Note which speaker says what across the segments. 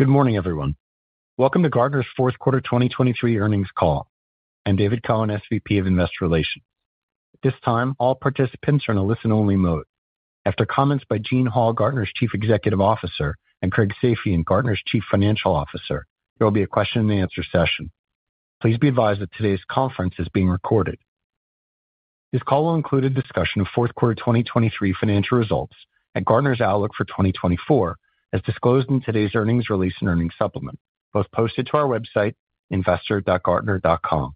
Speaker 1: Good morning, everyone. Welcome to Gartner's Fourth Quarter 2023 Earnings Call. I'm David Cohen, SVP of Investor Relations. At this time, all participants are in a listen-only mode. After comments by Gene Hall, Gartner's Chief Executive Officer, and Craig Safian, Gartner's Chief Financial Officer, there will be a question-and-answer session. Please be advised that today's conference is being recorded. This call will include a discussion of fourth quarter 2023 financial results and Gartner's outlook for 2024, as disclosed in today's earnings release and earnings supplement, both posted to our website, investor.gartner.com.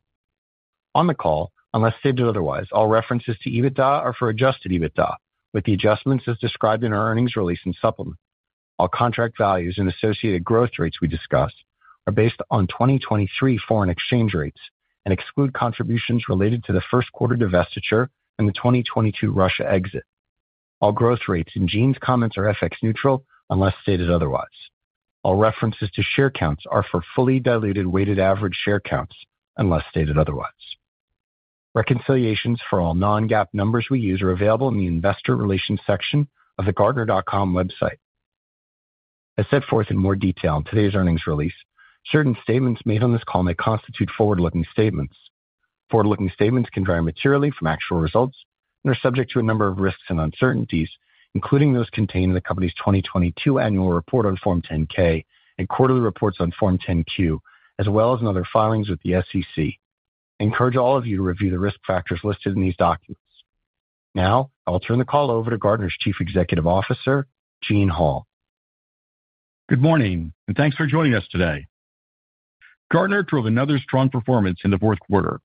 Speaker 1: On the call, unless stated otherwise, all references to EBITDA are for adjusted EBITDA, with the adjustments as described in our earnings release and supplement. All contract values and associated growth rates we discuss are based on 2023 foreign exchange rates and exclude contributions related to the first quarter divestiture and the 2022 Russia exit. All growth rates in Gene's comments are FX neutral, unless stated otherwise. All references to share counts are for fully diluted weighted average share counts, unless stated otherwise. Reconciliations for all non-GAAP numbers we use are available in the investor relations section of the Gartner.com website. As set forth in more detail in today's earnings release, certain statements made on this call may constitute forward-looking statements. Forward-looking statements can vary materially from actual results and are subject to a number of risks and uncertainties, including those contained in the Company's 2022 annual report on Form 10-K and quarterly reports on Form 10-Q, as well as in other filings with the SEC. I encourage all of you to review the risk factors listed in these documents. Now, I'll turn the call over to Gartner's Chief Executive Officer, Gene Hall.
Speaker 2: Good morning, and thanks for joining us today. Gartner drove another strong performance in the fourth quarter.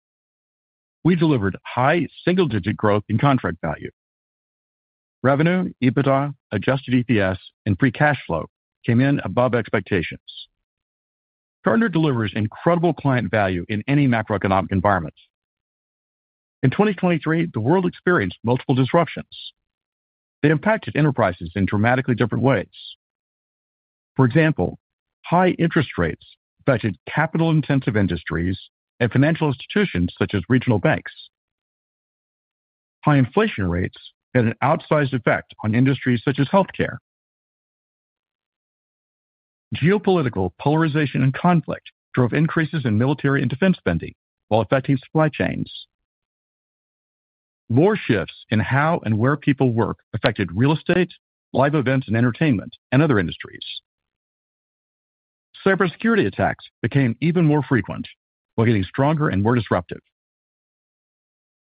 Speaker 2: We delivered high single-digit growth in contract value. Revenue, EBITDA, Adjusted EPS, and Free Cash Flow came in above expectations. Gartner delivers incredible client value in any macroeconomic environment. In 2023, the world experienced multiple disruptions that impacted enterprises in dramatically different ways. For example, high interest rates affected capital-intensive industries and financial institutions such as regional banks. High inflation rates had an outsized effect on industries such as healthcare. Geopolitical polarization and conflict drove increases in military and defense spending while affecting supply chains. More shifts in how and where people work affected real estate, live events and entertainment, and other industries. Cybersecurity attacks became even more frequent while getting stronger and more disruptive.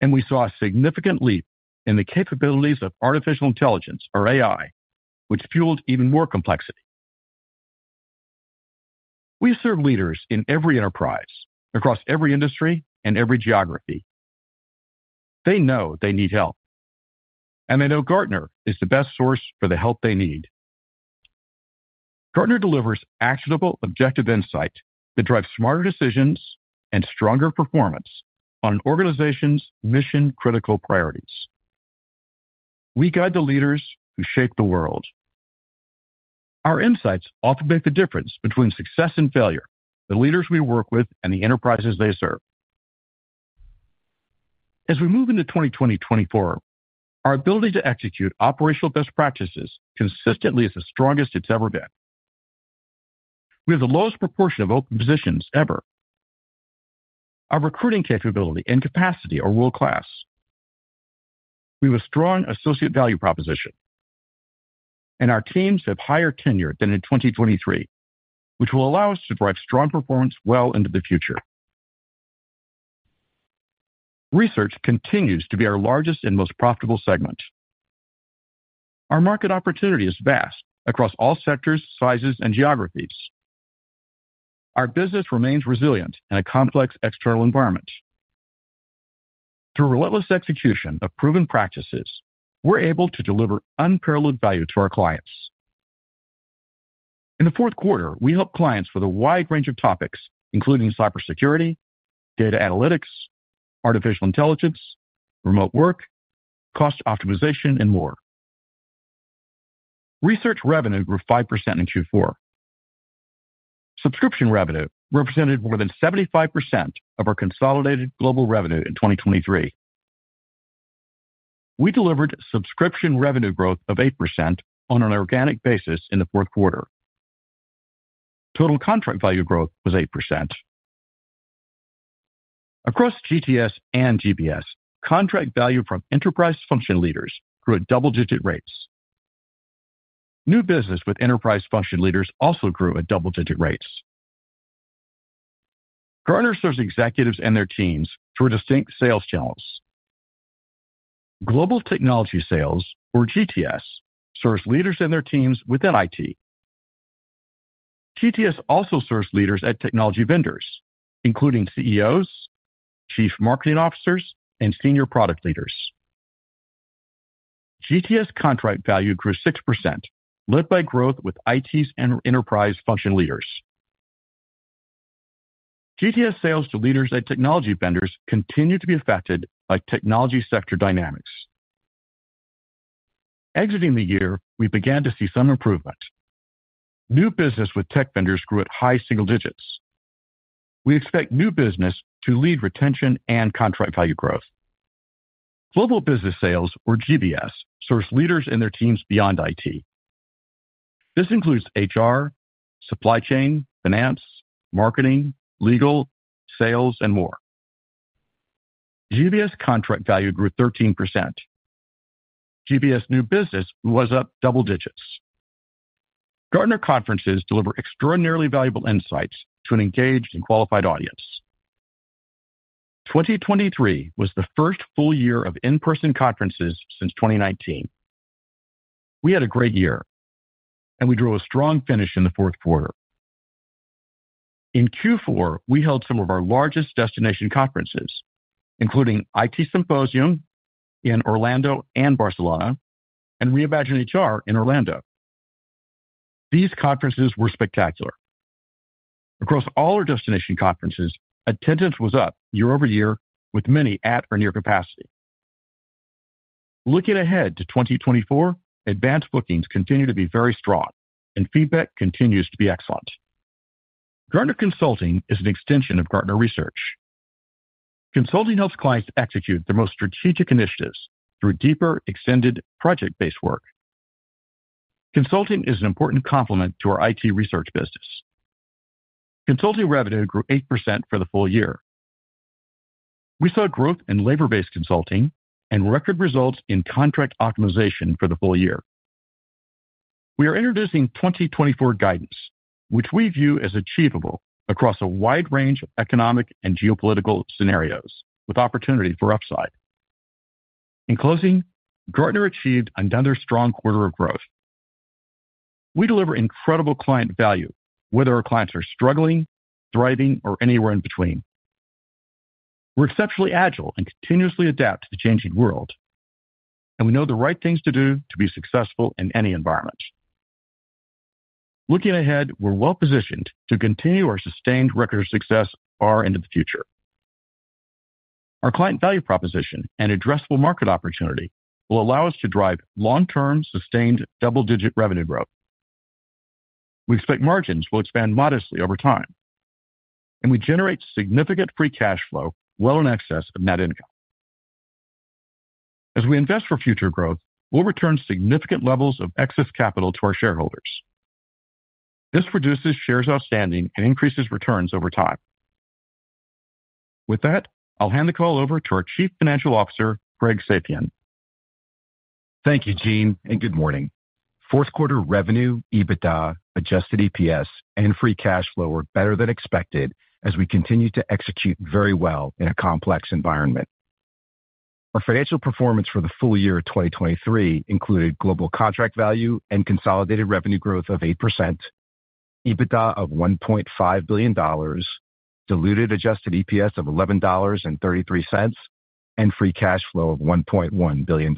Speaker 2: We saw a significant leap in the capabilities of artificial intelligence, or AI, which fueled even more complexity. We serve leaders in every enterprise, across every industry and every geography. They know they need help, and they know Gartner is the best source for the help they need. Gartner delivers actionable, objective insight that drives smarter decisions and stronger performance on an organization's mission-critical priorities. We guide the leaders who shape the world. Our insights often make the difference between success and failure, the leaders we work with, and the enterprises they serve. As we move into 2024, our ability to execute operational best practices consistently is the strongest it's ever been. We have the lowest proportion of open positions ever. Our recruiting capability and capacity are world-class. We have a strong associate value proposition, and our teams have higher tenure than in 2023, which will allow us to drive strong performance well into the future. Research continues to be our largest and most profitable segment. Our market opportunity is vast across all sectors, sizes, and geographies. Our business remains resilient in a complex external environment. Through relentless execution of proven practices, we're able to deliver unparalleled value to our clients. In the fourth quarter, we helped clients with a wide range of topics, including cybersecurity, data analytics, artificial intelligence, remote work, cost optimization, and more. Research revenue grew 5% in Q4. Subscription revenue represented more than 75% of our consolidated global revenue in 2023. We delivered subscription revenue growth of 8% on an organic basis in the fourth quarter. Total contract value growth was 8%. Across GTS and GBS, contract value from enterprise function leaders grew at double-digit rates. New business with enterprise function leaders also grew at double-digit rates. Gartner serves executives and their teams through distinct sales channels. Global technology sales, or GTS, serves leaders and their teams within IT. GTS also serves leaders at technology vendors, including CEOs, chief marketing officers, and senior product leaders. GTS contract value grew 6%, led by growth with IT and enterprise function leaders. GTS sales to leaders at technology vendors continued to be affected by technology sector dynamics. Exiting the year, we began to see some improvement. New business with tech vendors grew at high single digits. We expect new business to lead retention and contract value growth.... Global Business Sales, or GBS, serves leaders and their teams beyond IT. This includes HR, supply chain, finance, marketing, legal, sales, and more. GBS contract value grew 13%. GBS new business was up double digits. Gartner Conferences deliver extraordinarily valuable insights to an engaged and qualified audience. 2023 was the first full year of in-person conferences since 2019. We had a great year, and we drew a strong finish in the fourth quarter. In Q4, we held some of our largest destination conferences, including IT Symposium in Orlando and Barcelona and Reimagine HR in Orlando. These conferences were spectacular. Across all our destination conferences, attendance was up year-over-year, with many at or near capacity. Looking ahead to 2024, advanced bookings continue to be very strong and feedback continues to be excellent. Gartner Consulting is an extension of Gartner Research. Consulting helps clients execute their most strategic initiatives through deeper, extended project-based work. Consulting is an important complement to our IT research business. Consulting revenue grew 8% for the full year. We saw growth in labor-based consulting and record results in contract optimization for the full year. We are introducing 2024 guidance, which we view as achievable across a wide range of economic and geopolitical scenarios, with opportunity for upside. In closing, Gartner achieved another strong quarter of growth. We deliver incredible client value, whether our clients are struggling, thriving, or anywhere in between. We're exceptionally agile and continuously adapt to the changing world, and we know the right things to do to be successful in any environment. Looking ahead, we're well positioned to continue our sustained record of success far into the future. Our client value proposition and addressable market opportunity will allow us to drive long-term, sustained double-digit revenue growth. We expect margins will expand modestly over time, and we generate significant free cash flow well in excess of net income. As we invest for future growth, we'll return significant levels of excess capital to our shareholders. This reduces shares outstanding and increases returns over time. With that, I'll hand the call over to our Chief Financial Officer, Craig Safian.
Speaker 3: Thank you, Gene, and good morning. Fourth quarter revenue, EBITDA, adjusted EPS, and free cash flow were better than expected as we continued to execute very well in a complex environment. Our financial performance for the full year of 2023 included global contract value and consolidated revenue growth of 8%, EBITDA of $1.5 billion, diluted adjusted EPS of $11.33, and free cash flow of $1.1 billion.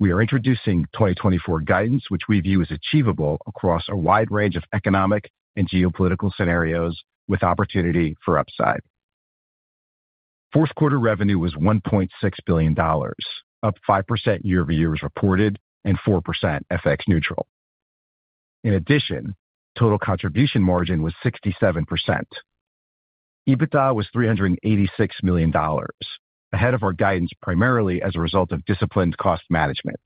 Speaker 3: We are introducing 2024 guidance, which we view as achievable across a wide range of economic and geopolitical scenarios, with opportunity for upside. Fourth quarter revenue was $1.6 billion, up 5% year-over-year as reported, and 4% FX neutral. In addition, total contribution margin was 67%. EBITDA was $386 million, ahead of our guidance, primarily as a result of disciplined cost management.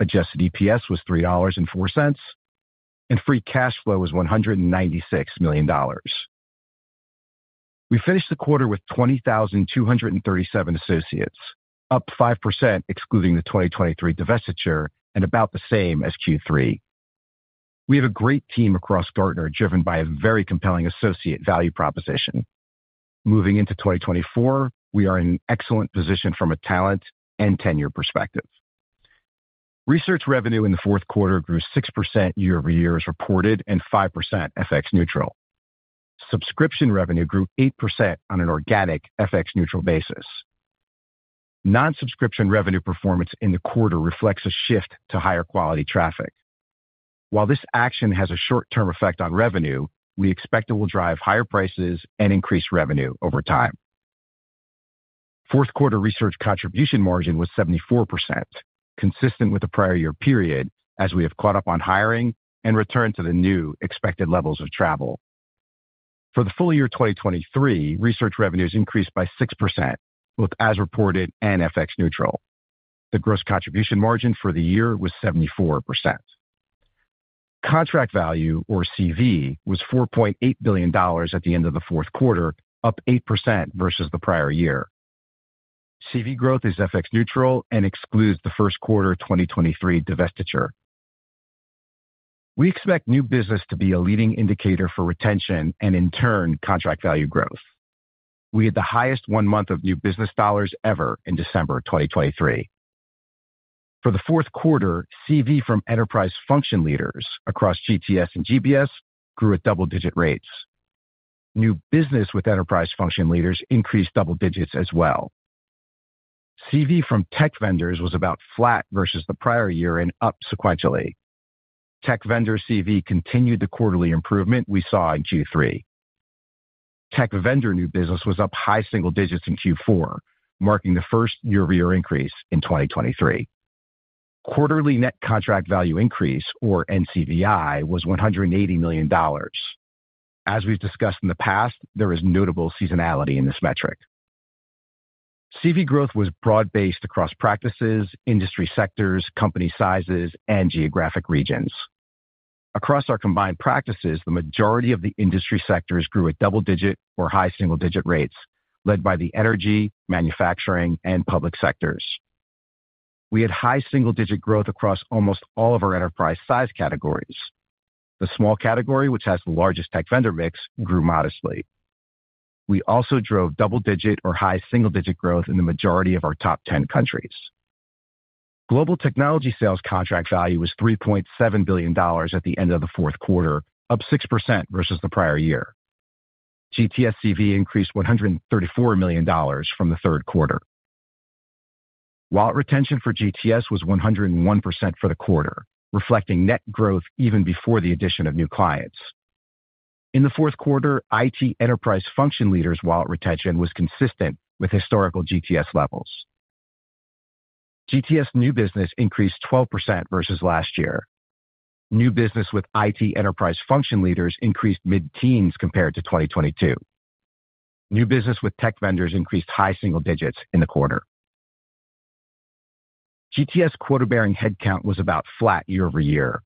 Speaker 3: Adjusted EPS was $3.04, and free cash flow was $196 million. We finished the quarter with 20,237 associates, up 5% excluding the 2023 divestiture, and about the same as Q3. We have a great team across Gartner, driven by a very compelling associate value proposition. Moving into 2024, we are in an excellent position from a talent and tenure perspective. Research revenue in the fourth quarter grew 6% year-over-year as reported, and 5% FX neutral. Subscription revenue grew 8% on an organic FX neutral basis. Non-subscription revenue performance in the quarter reflects a shift to higher quality traffic. While this action has a short-term effect on revenue, we expect it will drive higher prices and increase revenue over time. Fourth quarter research contribution margin was 74%, consistent with the prior year period, as we have caught up on hiring and returned to the new expected levels of travel. For the full year 2023, research revenues increased by 6%, both as reported and FX neutral. The gross contribution margin for the year was 74%. Contract value, or CV, was $4.8 billion at the end of the fourth quarter, up 8% versus the prior year. CV growth is FX neutral and excludes the first quarter of 2023 divestiture. We expect new business to be a leading indicator for retention and, in turn, contract value growth. We had the highest one month of new business dollars ever in December 2023. For the fourth quarter, CV from enterprise function leaders across GTS and GBS grew at double-digit rates. New business with enterprise function leaders increased double digits as well. CV from tech vendors was about flat versus the prior year and up sequentially. Tech vendor CV continued the quarterly improvement we saw in Q3. Tech vendor new business was up high single digits in Q4, marking the first year-over-year increase in 2023.... Quarterly net contract value increase, or NCVI, was $180 million. As we've discussed in the past, there is notable seasonality in this metric. CV growth was broad-based across practices, industry sectors, company sizes, and geographic regions. Across our combined practices, the majority of the industry sectors grew at double-digit or high single-digit rates, led by the energy, manufacturing, and public sectors. We had high single-digit growth across almost all of our enterprise size categories. The small category, which has the largest tech vendor mix, grew modestly. We also drove double-digit or high single-digit growth in the majority of our top 10 countries. Global technology sales contract value was $3.7 billion at the end of the fourth quarter, up 6% versus the prior year. GTS CV increased $134 million from the third quarter. Wallet retention for GTS was 101% for the quarter, reflecting net growth even before the addition of new clients. In the fourth quarter, IT enterprise function leaders' wallet retention was consistent with historical GTS levels. GTS new business increased 12% versus last year. New business with IT enterprise function leaders increased mid-teens compared to 2022. New business with tech vendors increased high single digits in the quarter. GTS quota-bearing headcount was about flat year-over-year.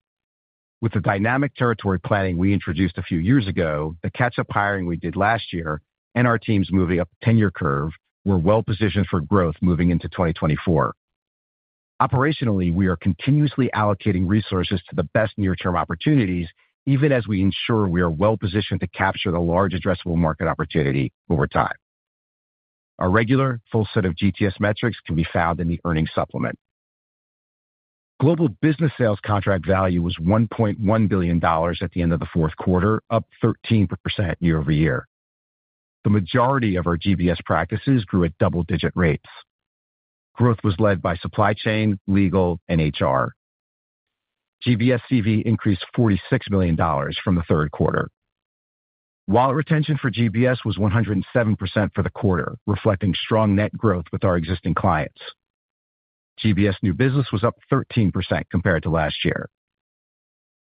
Speaker 3: With the dynamic territory planning we introduced a few years ago, the catch-up hiring we did last year and our teams moving up the tenure curve, we're well-positioned for growth moving into 2024. Operationally, we are continuously allocating resources to the best near-term opportunities, even as we ensure we are well-positioned to capture the large addressable market opportunity over time. Our regular full set of GTS metrics can be found in the earnings supplement. Global business sales contract value was $1.1 billion at the end of the fourth quarter, up 13% year-over-year. The majority of our GBS practices grew at double-digit rates. Growth was led by supply chain, legal, and HR. GBS CV increased $46 million from the third quarter. Wallet retention for GBS was 107% for the quarter, reflecting strong net growth with our existing clients. GBS new business was up 13% compared to last year.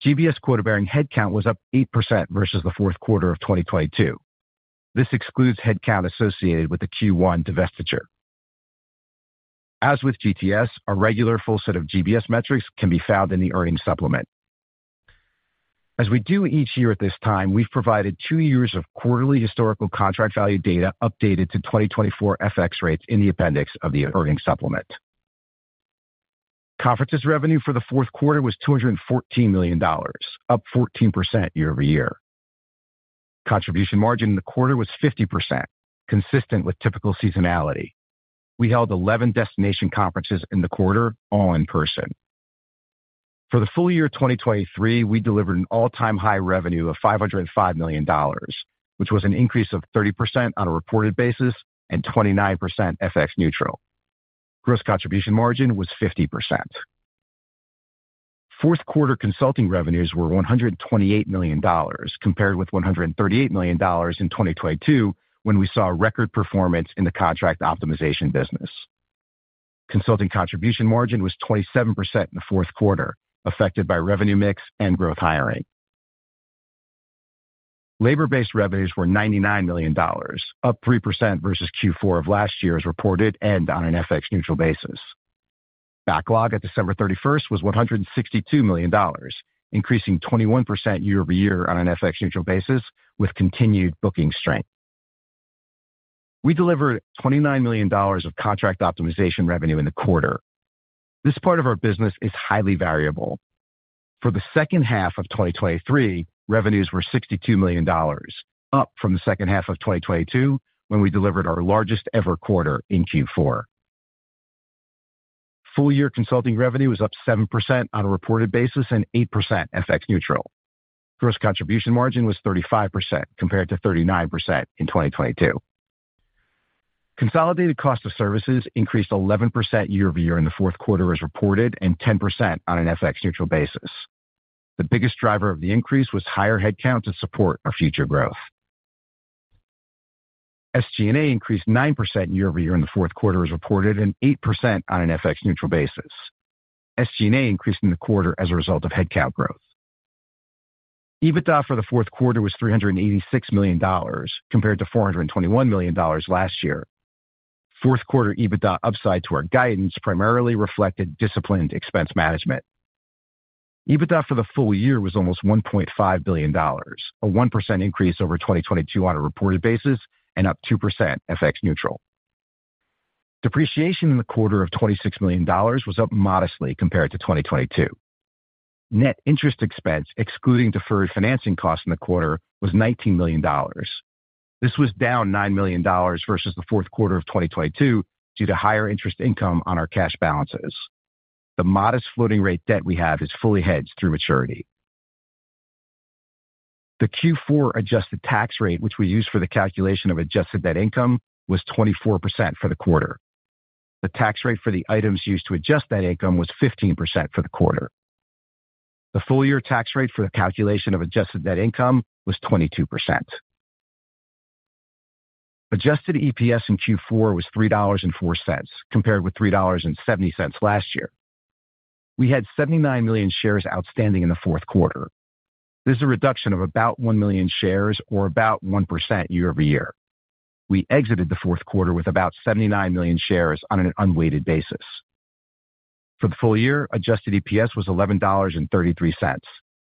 Speaker 3: GBS Quota-Bearing Headcount was up 8% versus the fourth quarter of 2022. This excludes headcount associated with the Q1 divestiture. As with GTS, our regular full set of GBS metrics can be found in the earnings supplement. As we do each year at this time, we've provided two years of quarterly historical contract value data updated to 2024 FX rates in the appendix of the earnings supplement. Conferences revenue for the fourth quarter was $214 million, up 14% year-over-year. Contribution margin in the quarter was 50%, consistent with typical seasonality. We held 11 destination conferences in the quarter, all in person. For the full year 2023, we delivered an all-time high revenue of $505 million, which was an increase of 30% on a reported basis and 29% FX neutral. Gross contribution margin was 50%. Fourth quarter consulting revenues were $128 million, compared with $138 million in 2022, when we saw a record performance in the Contract Optimization business. Consulting contribution margin was 27% in the fourth quarter, affected by revenue mix and growth hiring. Labor-based revenues were $99 million, up 3% versus Q4 of last year as reported and on an FX neutral basis. Backlog at December 31 was $162 million, increasing 21% year-over-year on an FX neutral basis with continued booking strength. We delivered $29 million of contract optimization revenue in the quarter. This part of our business is highly variable. For the second half of 2023, revenues were $62 million, up from the second half of 2022, when we delivered our largest-ever quarter in Q4. Full-year consulting revenue was up 7% on a reported basis and 8% FX neutral. Gross contribution margin was 35%, compared to 39% in 2022. Consolidated cost of services increased 11% year-over-year in the fourth quarter as reported, and 10% on an FX neutral basis. The biggest driver of the increase was higher headcount to support our future growth. SG&A increased 9% year-over-year in the fourth quarter as reported, and 8% on an FX neutral basis. SG&A increased in the quarter as a result of headcount growth. EBITDA for the fourth quarter was $386 million, compared to $421 million last year. Fourth quarter EBITDA upside to our guidance primarily reflected disciplined expense management. EBITDA for the full year was almost $1.5 billion, a 1% increase over 2022 on a reported basis and up 2% FX Neutral. Depreciation in the quarter of $26 million was up modestly compared to 2022. Net interest expense, excluding deferred financing costs in the quarter, was $19 million. This was down $9 million versus the fourth quarter of 2022 due to higher interest income on our cash balances. The modest floating rate debt we have is fully hedged through maturity. The Q4 adjusted tax rate, which we use for the calculation of adjusted net income, was 24% for the quarter. The tax rate for the items used to adjust net income was 15% for the quarter. The full-year tax rate for the calculation of adjusted net income was 22%....Adjusted EPS in Q4 was $3.04, compared with $3.70 last year. We had 79 million shares outstanding in the fourth quarter. This is a reduction of about 1 million shares or about 1% year-over-year. We exited the fourth quarter with about 79 million shares on an unweighted basis. For the full year, adjusted EPS was $11.33,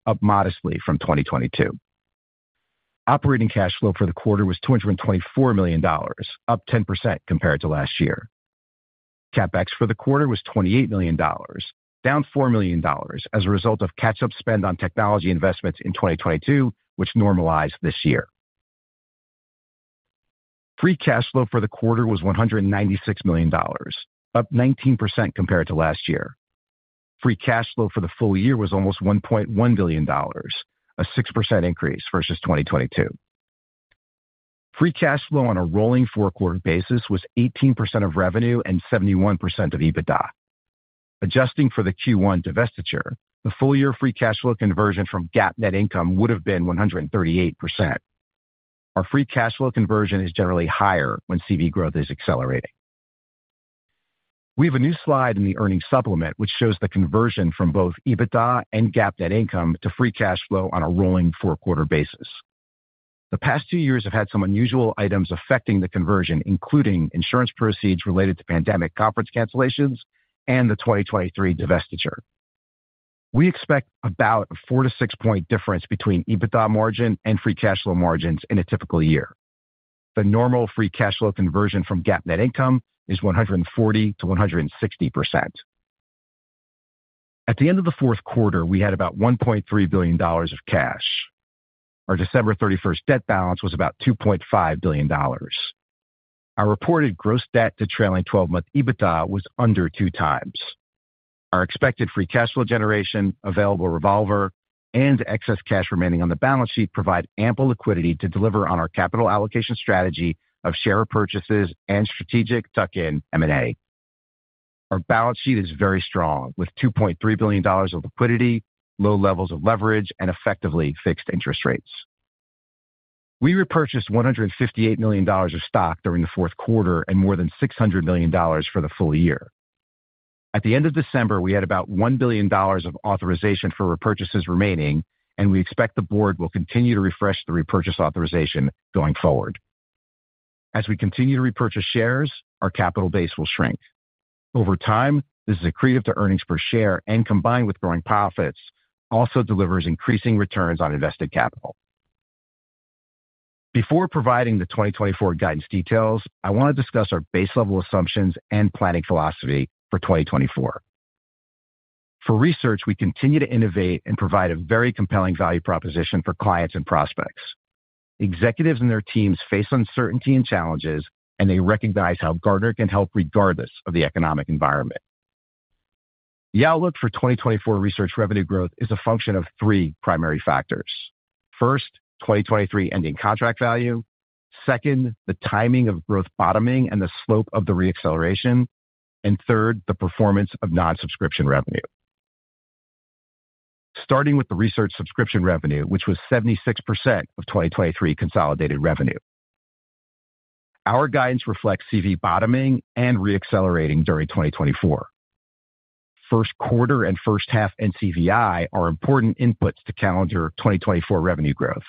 Speaker 3: up modestly from 2022. Operating cash flow for the quarter was $224 million, up 10% compared to last year. CapEx for the quarter was $28 million, down $4 million as a result of catch-up spend on technology investments in 2022, which normalized this year. Free cash flow for the quarter was $196 million, up 19% compared to last year. Free cash flow for the full year was almost $1.1 billion, a 6% increase versus 2022. Free cash flow on a rolling four-quarter basis was 18% of revenue and 71% of EBITDA. Adjusting for the Q1 divestiture, the full year free cash flow conversion from GAAP net income would have been 138%. Our free cash flow conversion is generally higher when CV growth is accelerating. We have a new slide in the earnings supplement, which shows the conversion from both EBITDA and GAAP net income to free cash flow on a rolling fourth-quarter basis. The past two years have had some unusual items affecting the conversion, including insurance proceeds related to pandemic conference cancellations and the 2023 divestiture. We expect about a four-six point difference between EBITDA margin and free cash flow margins in a fiscal year. The normal free cash flow conversion from GAAP net income is 140%-160%. At the end of the fourth quarter, we had about $1.3 billion of cash. Our December 31 debt balance was about $2.5 billion. Our reported gross debt to trailing 12-month EBITDA was under 2x. Our expected free cash flow generation, available revolver, and excess cash remaining on the balance sheet provide ample liquidity to deliver on our capital allocation strategy of share purchases and strategic tuck-in M&A. Our balance sheet is very strong, with $2.3 billion of liquidity, low levels of leverage, and effectively fixed interest rates. We repurchased $158 million of stock during the fourth quarter and more than $600 million for the full year. At the end of December, we had about $1 billion of authorization for repurchases remaining, and we expect the board will continue to refresh the repurchase authorization going forward. As we continue to repurchase shares, our capital base will shrink. Over time, this is accretive to earnings per share, and combined with growing profits, also delivers increasing returns on invested capital. Before providing the 2024 guidance details, I want to discuss our base level assumptions and planning philosophy for 2024. For research, we continue to innovate and provide a very compelling value proposition for clients and prospects. Executives and their teams face uncertainty and challenges, and they recognize how Gartner can help regardless of the economic environment. The outlook for 2024 research revenue growth is a function of three primary factors. First, 2023 ending contract value. Second, the timing of growth bottoming and the slope of the re-acceleration, and third, the performance of non-subscription revenue. Starting with the research subscription revenue, which was 76% of 2023 consolidated revenue. Our guidance reflects CV bottoming and re-accelerating during 2024. First quarter and first half NCVI are important inputs to calendar 2024 revenue growth.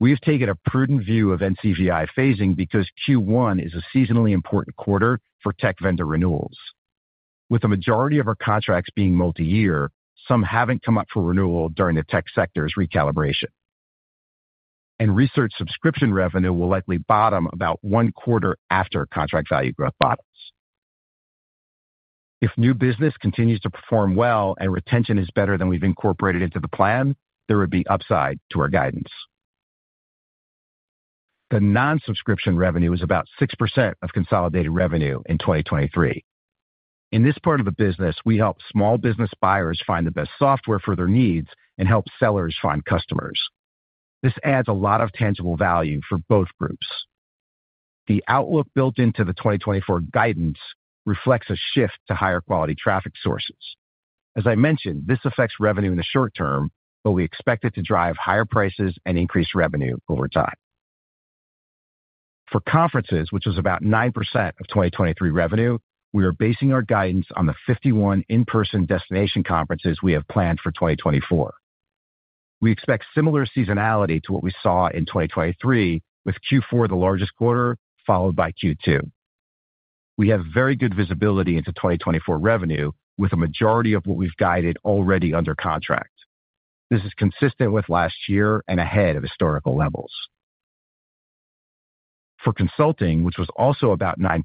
Speaker 3: We have taken a prudent view of NCVI phasing because Q1 is a seasonally important quarter for tech vendor renewals. With the majority of our contracts being multi-year, some haven't come up for renewal during the tech sector's recalibration. Research subscription revenue will likely bottom about one quarter after contract value growth bottoms. If new business continues to perform well and retention is better than we've incorporated into the plan, there would be upside to our guidance. The non-subscription revenue is about 6% of consolidated revenue in 2023. In this part of the business, we help small business buyers find the best software for their needs and help sellers find customers. This adds a lot of tangible value for both groups. The outlook built into the 2024 guidance reflects a shift to higher quality traffic sources. As I mentioned, this affects revenue in the short term, but we expect it to drive higher prices and increase revenue over time. For conferences, which is about 9% of 2023 revenue, we are basing our guidance on the 51 in-person destination conferences we have planned for 2024. We expect similar seasonality to what we saw in 2023, with Q4 the largest quarter, followed by Q2. We have very good visibility into 2024 revenue, with a majority of what we've guided already under contract. This is consistent with last year and ahead of historical levels. For consulting, which was also about 9%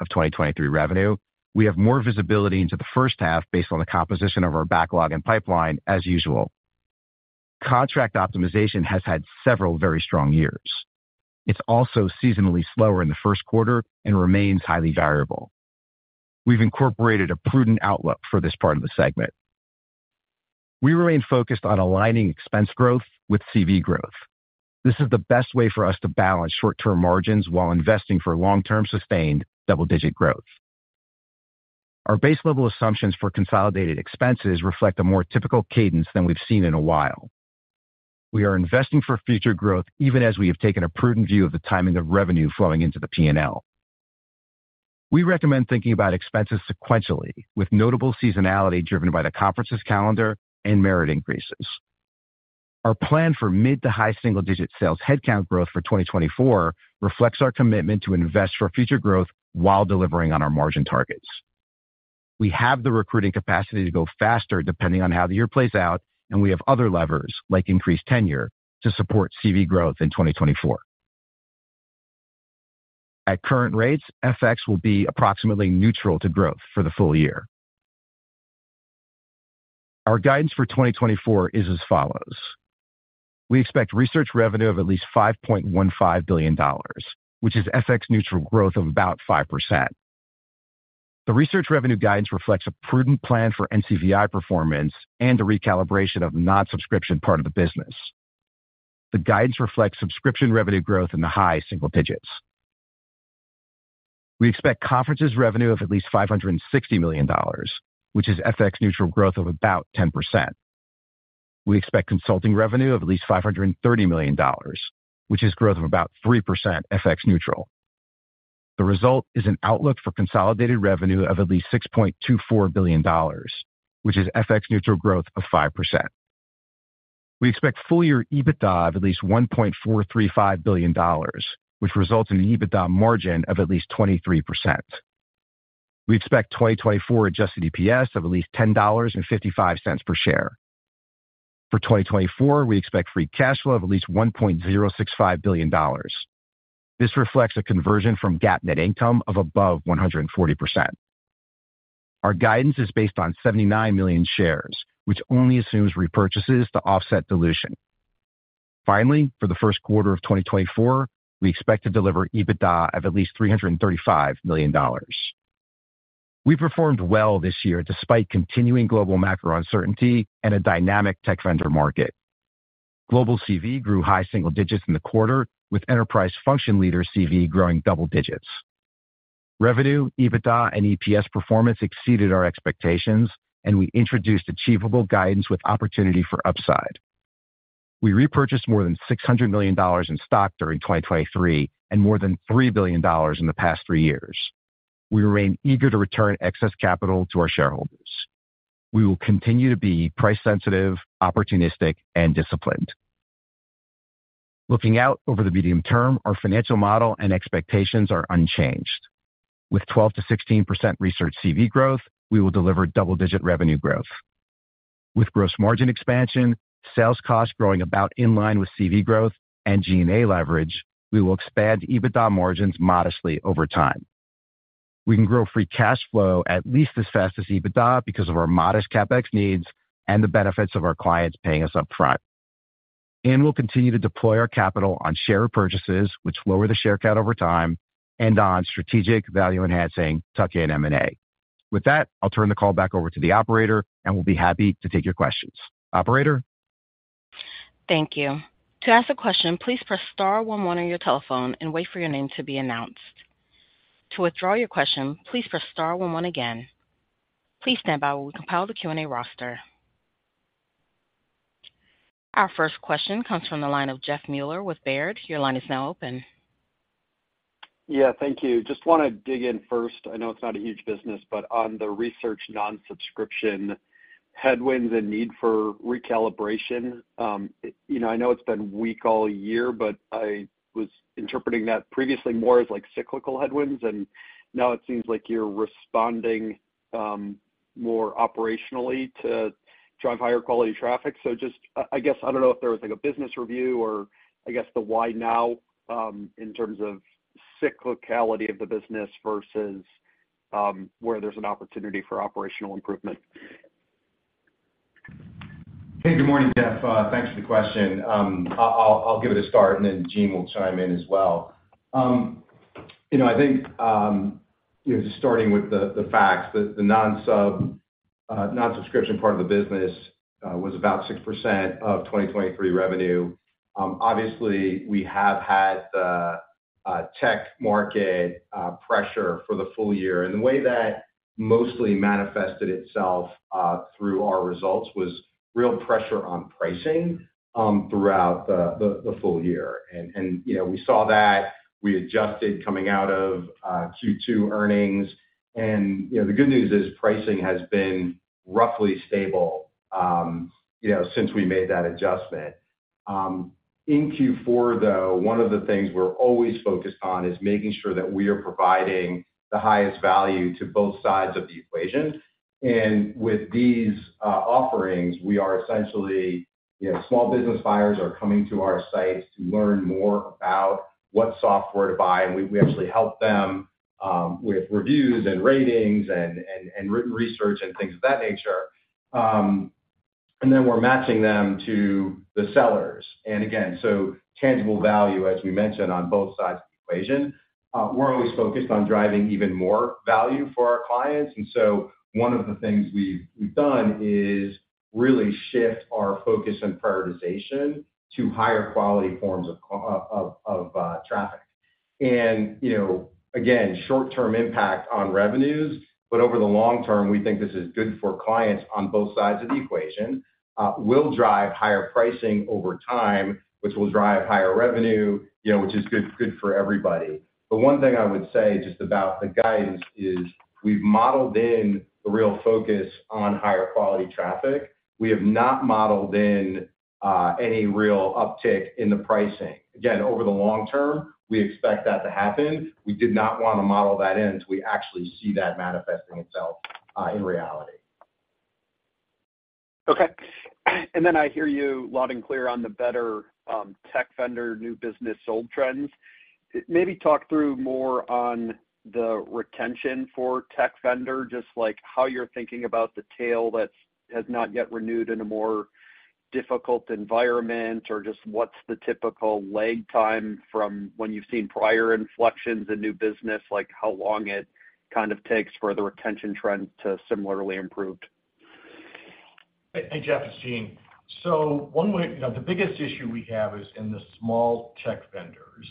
Speaker 3: of 2023 revenue, we have more visibility into the first half based on the composition of our backlog and pipeline, as usual. Contract optimization has had several very strong years. It's also seasonally slower in the first quarter and remains highly variable. We've incorporated a prudent outlook for this part of the segment. We remain focused on aligning expense growth with CV growth. This is the best way for us to balance short-term margins while investing for long-term, sustained double-digit growth. Our base level assumptions for consolidated expenses reflect a more typical cadence than we've seen in a while. We are investing for future growth, even as we have taken a prudent view of the timing of revenue flowing into the PNL. We recommend thinking about expenses sequentially, with notable seasonality driven by the conferences calendar and merit increases. Our plan for mid- to high-single-digit sales headcount growth for 2024 reflects our commitment to invest for future growth while delivering on our margin targets. We have the recruiting capacity to go faster, depending on how the year plays out, and we have other levers, like increased tenure, to support CV growth in 2024. At current rates, FX will be approximately neutral to growth for the full year. Our guidance for 2024 is as follows: We expect research revenue of at least $5.15 billion, which is FX neutral growth of about 5%. The research revenue guidance reflects a prudent plan for NCVI performance and a recalibration of the non-subscription part of the business. The guidance reflects subscription revenue growth in the high single digits. We expect conferences revenue of at least $560 million, which is FX neutral growth of about 10%. We expect consulting revenue of at least $530 million, which is growth of about 3% FX neutral. The result is an outlook for consolidated revenue of at least $6.24 billion, which is FX neutral growth of 5%. We expect full year EBITDA of at least $1.435 billion, which results in an EBITDA margin of at least 23%. We expect 2024 adjusted EPS of at least $10.55 per share. For 2024, we expect free cash flow of at least $1.065 billion. This reflects a conversion from GAAP net income of above 140%. Our guidance is based on 79 million shares, which only assumes repurchases to offset dilution. Finally, for the first quarter of 2024, we expect to deliver EBITDA of at least $335 million. We performed well this year despite continuing global macro uncertainty and a dynamic tech vendor market. Global CV grew high single digits in the quarter, with enterprise function leader CV growing double digits. Revenue, EBITDA and EPS performance exceeded our expectations, and we introduced achievable guidance with opportunity for upside. We repurchased more than $600 million in stock during 2023, and more than $3 billion in the past three years. We remain eager to return excess capital to our shareholders. We will continue to be price sensitive, opportunistic, and disciplined. Looking out over the medium term, our financial model and expectations are unchanged. With 12%-16% research CV growth, we will deliver double-digit revenue growth. With gross margin expansion, sales costs growing about in line with CV growth and SG&A leverage, we will expand EBITDA margins modestly over time. We can grow free cash flow at least as fast as EBITDA because of our modest CapEx needs and the benefits of our clients paying us upfront. We'll continue to deploy our capital on share repurchases, which lower the share count over time and on strategic value, enhancing tuck-in M&A. With that, I'll turn the call back over to the operator and we'll be happy to take your questions. Operator?
Speaker 4: Thank you. To ask a question, please press star one one on your telephone and wait for your name to be announced. To withdraw your question, please press star one one again. Please stand by while we compile the Q&A roster. Our first question comes from the line of Jeff Meuler with Baird. Your line is now open.
Speaker 5: Yeah, thank you. Just want to dig in first. I know it's not a huge business, but on the research non-subscription headwinds and need for recalibration, you know, I know it's been weak all year, but I was interpreting that previously more as like cyclical headwinds, and now it seems like you're responding, more operationally to drive higher quality traffic. So just I guess I don't know if there was like a business review or I guess the why now, in terms of cyclicality of the business versus, where there's an opportunity for operational improvement.
Speaker 3: Hey, good morning, Jeff. Thanks for the question. I'll give it a start, and then Gene will chime in as well. You know, I think, you know, just starting with the facts, the non-subscription part of the business was about 6% of 2023 revenue. Obviously, we have had the tech market pressure for the full year, and the way that mostly manifested itself through our results was real pressure on pricing throughout the full year. You know, we saw that, we adjusted coming out of Q2 earnings. You know, the good news is pricing has been roughly stable, you know, since we made that adjustment. In Q4, though, one of the things we're always focused on is making sure that we are providing the highest value to both sides of the equation. With these offerings, we are essentially, you know, small business buyers are coming to our sites to learn more about what software to buy, and we actually help them with reviews and ratings and written research and things of that nature. And then we're matching them to the sellers. And again, so tangible value, as we mentioned, on both sides of the equation. We're always focused on driving even more value for our clients, and so one of the things we've done is really shift our focus and prioritization to higher quality forms of traffic. And, you know, again, short-term impact on revenues, but over the long term, we think this is good for clients on both sides of the equation, will drive higher pricing over time, which will drive higher revenue, you know, which is good, good for everybody. But one thing I would say just about the guidance is, we've modeled in the real focus on higher quality traffic. We have not modeled in any real uptick in the pricing. Again, over the long term, we expect that to happen. We did not wanna model that in until we actually see that manifesting itself in reality.
Speaker 5: Okay. And then I hear you loud and clear on the better, tech vendor, new business, old trends. Maybe talk through more on the retention for tech vendor, just like how you're thinking about the tail that's has not yet renewed in a more difficult environment, or just what's the typical lag time from when you've seen prior inflections in new business, like, how long it kind of takes for the retention trend to similarly improved?
Speaker 2: Hey, Jeff, it's Gene. So one way, the biggest issue we have is in the small tech vendors,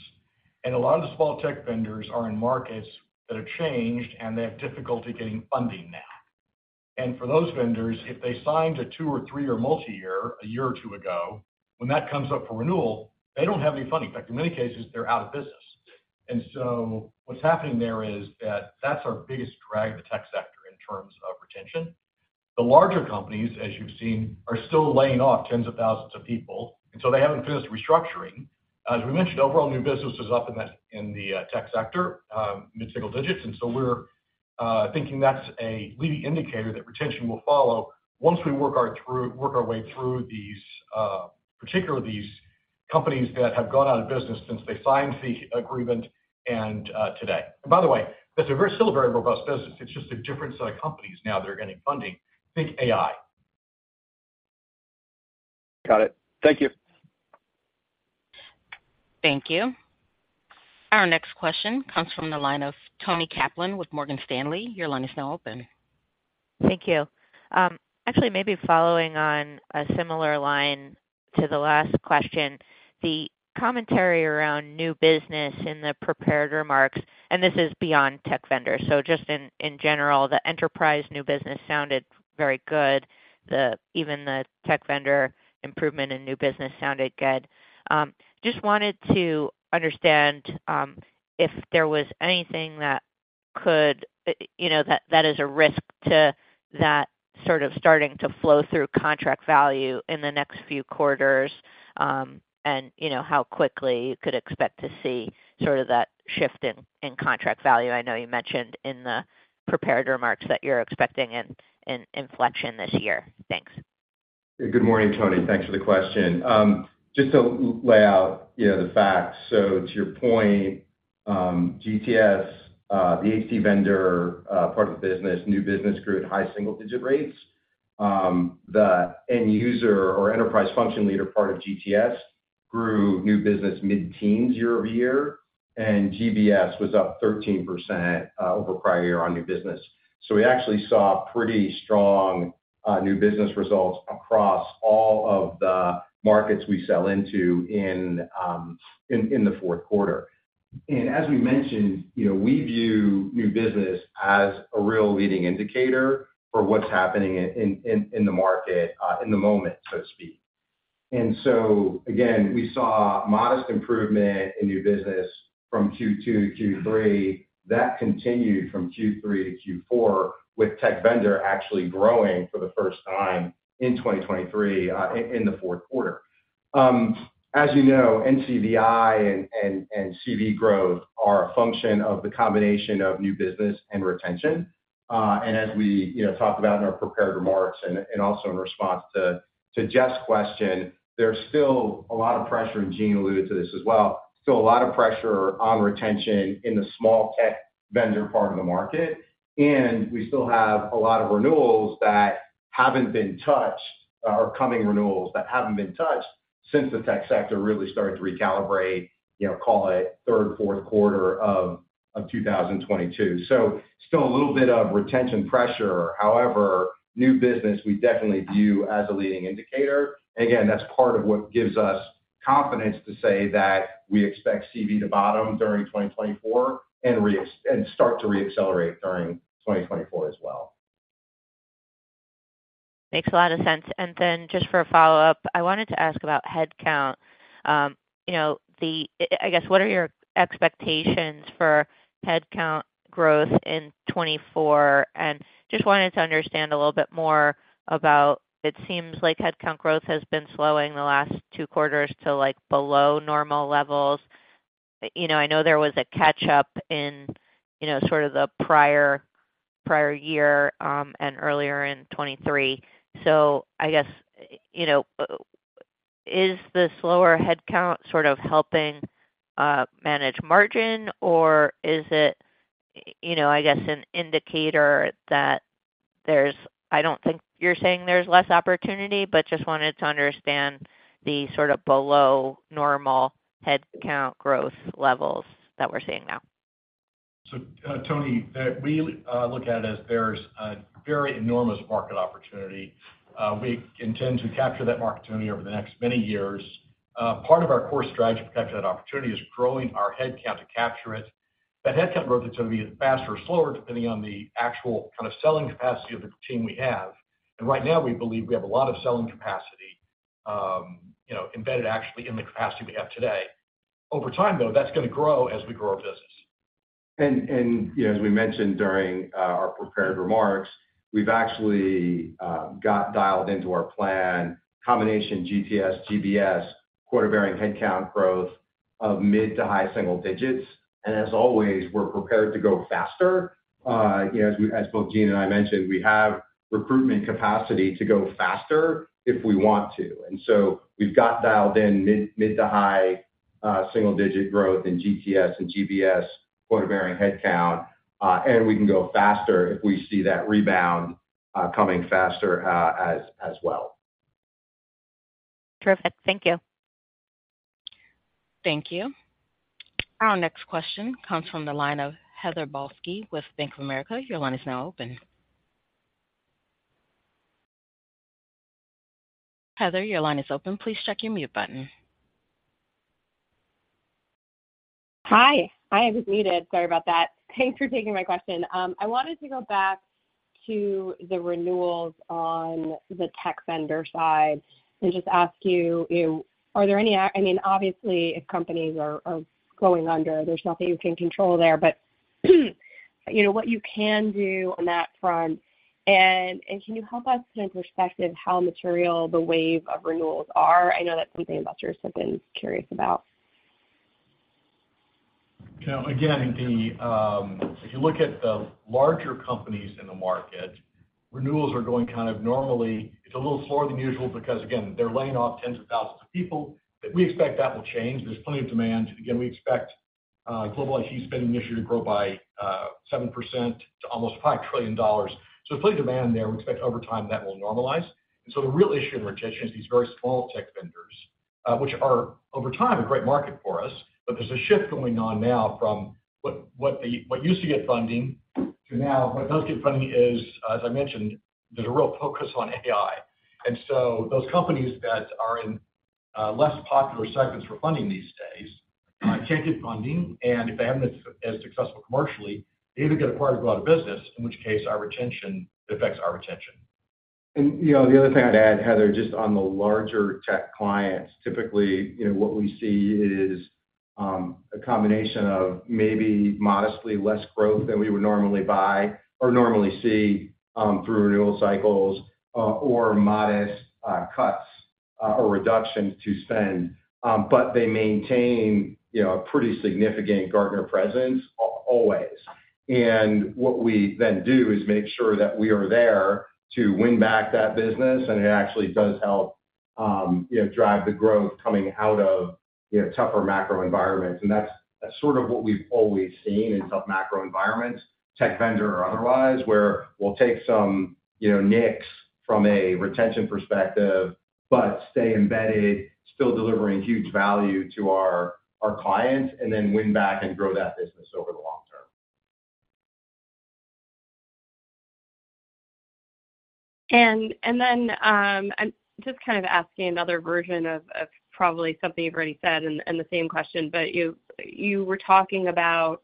Speaker 2: and a lot of small tech vendors are in markets that have changed, and they have difficulty getting funding now. And for those vendors, if they signed a two or three or multi-year, a year or two ago, when that comes up for renewal, they don't have any funding. In fact, in many cases, they're out of business. And so what's happening there is that that's our biggest drag, the tech sector, in terms of retention. The larger companies, as you've seen, are still laying off 10 of thousands of people, and so they haven't finished restructuring. As we mentioned, overall, new business is up in the tech sector mid-single digits, and so we're thinking that's a leading indicator that retention will follow once we work our way through these, particularly these companies that have gone out of business since they signed the agreement and today. By the way, that's a very, still a very robust business. It's just a different set of companies now that are getting funding. Think AI.
Speaker 5: Got it. Thank you.
Speaker 4: Thank you. Our next question comes from the line of Toni Kaplan with Morgan Stanley. Your line is now open.
Speaker 6: Thank you. Actually, maybe following on a similar line to the last question, the commentary around new business in the prepared remarks, and this is beyond tech vendor. So just in general, the enterprise new business sounded very good. Even the tech vendor improvement in new business sounded good. Just wanted to understand if there was anything that could, you know, that is a risk to that sort of starting to flow through contract value in the next few quarters, and, you know, how quickly you could expect to see sort of that shift in contract value. I know you mentioned in the prepared remarks that you're expecting an inflection this year. Thanks.
Speaker 3: Good morning, Toni. Thanks for the question. Just to lay out, you know, the facts. So to your point, GTS, the tech vendor, part of the business, new business grew at high single-digit rates. The end user or enterprise function leader part of GTS grew new business mid-teens year-over-year, and GBS was up 13% over prior year on new business. So we actually saw pretty strong new business results across all of the markets we sell into in the fourth quarter. And as we mentioned, you know, we view new business as a real leading indicator for what's happening in the market, in the moment, so to speak. And so again, we saw modest improvement in new business from Q2 to Q3. That continued from Q3 to Q4, with tech vendor actually growing for the first time in 2023 in the fourth quarter. As you know, NCVI and CV growth are a function of the combination of new business and retention. And as we, you know, talked about in our prepared remarks and also in response to Jeff's question, there's still a lot of pressure, and Gene alluded to this as well. Still a lot of pressure on retention in the small tech vendor part of the market, and we still have a lot of renewals that haven't been touched, or coming renewals that haven't been touched since the tech sector really started to recalibrate, you know, call it third, fourth quarter of 2022. So still a little bit of retention pressure. However, new business, we definitely view as a leading indicator. Again, that's part of what gives us confidence to say that we expect CV to bottom during 2024 and start to reaccelerate during 2024 as well.
Speaker 6: Makes a lot of sense. And then, just for a follow-up, I wanted to ask about headcount. You know, I guess what are your expectations for headcount growth in 2024? And just wanted to understand a little bit more about, it seems like headcount growth has been slowing the last two quarters to, like, below normal levels. You know, I know there was a catch-up in, you know, sort of the prior, prior year, and earlier in 2023. So I guess, you know, is this lower headcount sort of helping manage margin? Or is it, you know, I guess, an indicator that there's—I don't think you're saying there's less opportunity, but just wanted to understand the sort of below normal headcount growth levels that we're seeing now.
Speaker 2: So, Toni, that we look at it as there's a very enormous market opportunity. We intend to capture that market opportunity over the next many years. Part of our core strategy to capture that opportunity is growing our headcount to capture it. That headcount growth is gonna be faster or slower, depending on the actual kind of selling capacity of the team we have. And right now, we believe we have a lot of selling capacity, you know, embedded actually in the capacity we have today. Over time, though, that's gonna grow as we grow our business.
Speaker 3: You know, as we mentioned during our prepared remarks, we've actually got dialed into our plan, combination GTS, GBS, quota-bearing headcount growth of mid- to high-single digits. And as always, we're prepared to go faster. You know, as both Gene and I mentioned, we have recruitment capacity to go faster if we want to. And so we've got dialed in mid- to high- single-digit growth in GTS and GBS quota-bearing headcount, and we can go faster if we see that rebound coming faster, as well.
Speaker 6: Perfect. Thank you.
Speaker 4: Thank you. Our next question comes from the line of Heather Balsky with Bank of America. Your line is now open. Heather, your line is open. Please check your mute button.
Speaker 7: Hi. I was muted. Sorry about that. Thanks for taking my question. I wanted to go back to the renewals on the tech vendor side and just ask you, you-- are there any... I mean, obviously, if companies are, are going under, there's nothing you can control there, but, you know, what you can do on that front, and, and can you help us put into perspective how material the wave of renewals are? I know that's something investors have been curious about.
Speaker 2: You know, again, the if you look at the larger companies in the market, renewals are going kind of normally. It's a little slower than usual because, again, they're laying off tens of thousands of people, but we expect that will change. There's plenty of demand. Again, we expect global IT spending this year to grow by 7% to almost $5 trillion. So there's plenty of demand there. We expect over time that will normalize. And so the real issue in retention is these very small tech vendors which are, over time, a great market for us. But there's a shift going on now from what used to get funding to now. What does get funding is, as I mentioned, there's a real focus on AI. Those companies that are in less popular segments for funding these days can't get funding, and if they haven't been as successful commercially, they either get acquired or go out of business, in which case our retention affects our retention. You know, the other thing I'd add, Heather, just on the larger tech clients, typically, you know, what we see is a combination of maybe modestly less growth than we would normally buy or normally see through renewal cycles, or modest cuts or reductions to spend. But they maintain, you know, a pretty significant Gartner presence always. And what we then do is make sure that we are there to win back that business, and it actually does help, you know, drive the growth coming out of, you know, tougher macro environments. That's sort of what we've always seen in tough macro environments, tech vendor or otherwise, where we'll take some, you know, nicks from a retention perspective, but stay embedded, still delivering huge value to our clients, and then win back and grow that business over the long term.
Speaker 7: Then, I'm just kind of asking another version of probably something you've already said and the same question, but you were talking about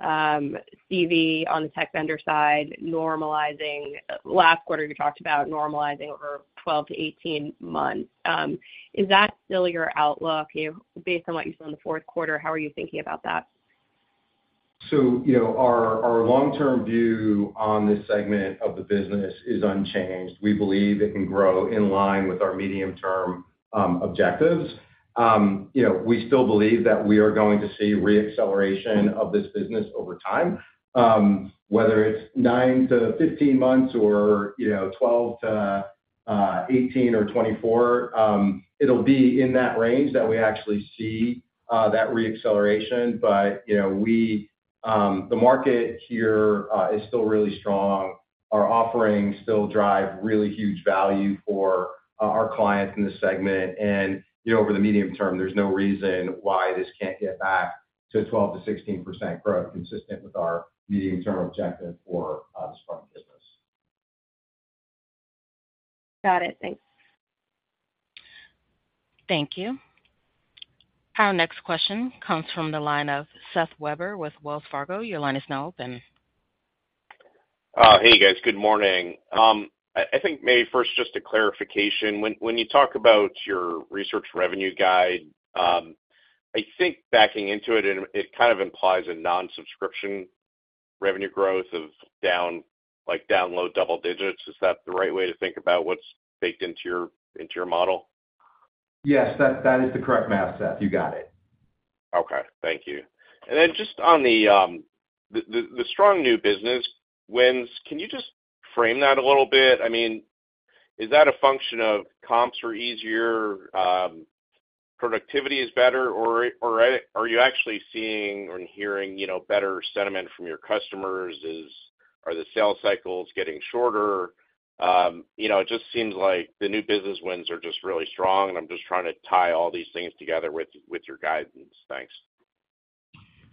Speaker 7: CV on the tech vendor side normalizing. Last quarter, you talked about normalizing over 12 to 18 months. Is that still your outlook? Based on what you saw in the fourth quarter, how are you thinking about that?
Speaker 3: So, you know, our long-term view on this segment of the business is unchanged. We believe it can grow in line with our medium-term objectives. You know, we still believe that we are going to see reacceleration of this business over time. Whether it's nine-15 months or, you know, 12-18 or 24, it'll be in that range that we actually see that reacceleration. But, you know, we, the market here, is still really strong. Our offerings still drive really huge value for our clients in this segment. And, you know, over the medium term, there's no reason why this can't get back to 12%-16% growth, consistent with our medium-term objective for the strong business.
Speaker 7: Got it. Thanks.
Speaker 4: Thank you. Our next question comes from the line of Seth Weber with Wells Fargo. Your line is now open.
Speaker 8: Hey, guys. Good morning. I think maybe first, just a clarification. When you talk about your research revenue guide, I think backing into it, and it kind of implies a non-subscription revenue growth of down, like, down low double digits. Is that the right way to think about what's baked into your model?
Speaker 2: Yes, that, that is the correct math, Seth. You got it.
Speaker 8: Okay. Thank you. And then just on the strong new business wins, can you just frame that a little bit? I mean, is that a function of comps are easier, productivity is better, or are you actually seeing and hearing, you know, better sentiment from your customers? Is. Are the sales cycles getting shorter? You know, it just seems like the new business wins are just really strong, and I'm just trying to tie all these things together with, with your guidance. Thanks.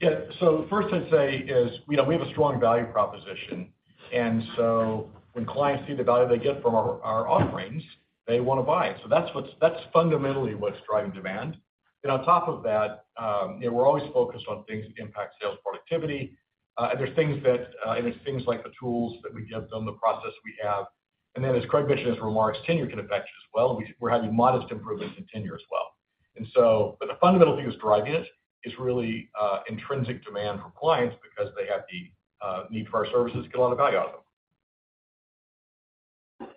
Speaker 2: Yeah. So the first I'd say is, you know, we have a strong value proposition, and so when clients see the value they get from our offerings, they wanna buy it. So that's fundamentally what's driving demand. And on top of that, you know, we're always focused on things that impact sales productivity. There's things like the tools that we give them, the process we have. And then, as Craig mentioned in his remarks, tenure can affect it as well. We're having modest improvements in tenure as well. But the fundamental thing that's driving it is really intrinsic demand from clients because they have the need for our services to get a lot of value out of them.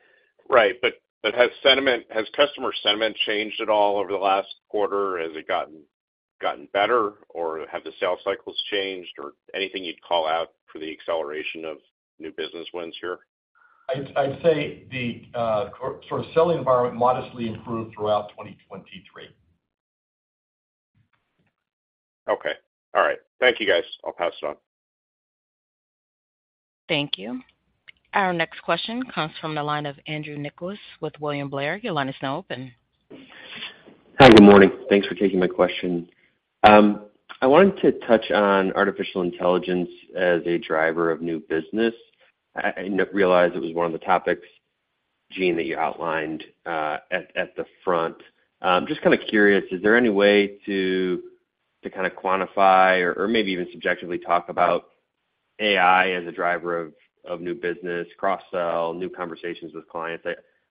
Speaker 8: Right. But has customer sentiment changed at all over the last quarter? Has it gotten better, or have the sales cycles changed, or anything you'd call out for the acceleration of new business wins here?
Speaker 2: I'd say the sort of selling environment modestly improved throughout 2023.
Speaker 8: Okay. All right. Thank you, guys. I'll pass it on.
Speaker 4: Thank you. Our next question comes from the line of Andrew Nicholas with William Blair. Your line is now open.
Speaker 9: Hi, good morning. Thanks for taking my question. I wanted to touch on artificial intelligence as a driver of new business. I realized it was one of the topics, Gene, that you outlined at the front. Just kind of curious, is there any way to kind of quantify or maybe even subjectively talk about AI as a driver of new business, cross-sell, new conversations with clients?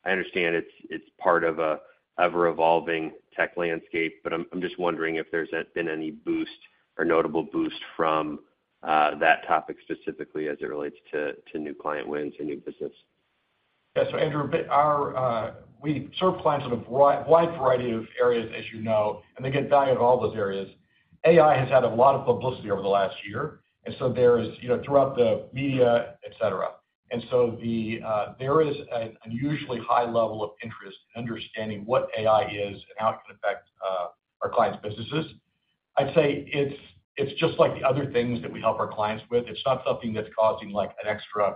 Speaker 9: I understand it's part of an ever-evolving tech landscape, but I'm just wondering if there's been any boost or notable boost from that topic specifically as it relates to new client wins and new business.
Speaker 2: Yeah. So, Andrew, but we serve clients in a wide, wide variety of areas, as you know, and they get value in all those areas. AI has had a lot of publicity over the last year, and so there is, you know, throughout the media, et cetera. And so there is an unusually high level of interest in understanding what AI is and how it can affect our clients' businesses. I'd say it's, it's just like the other things that we help our clients with. It's not something that's causing, like, an extra,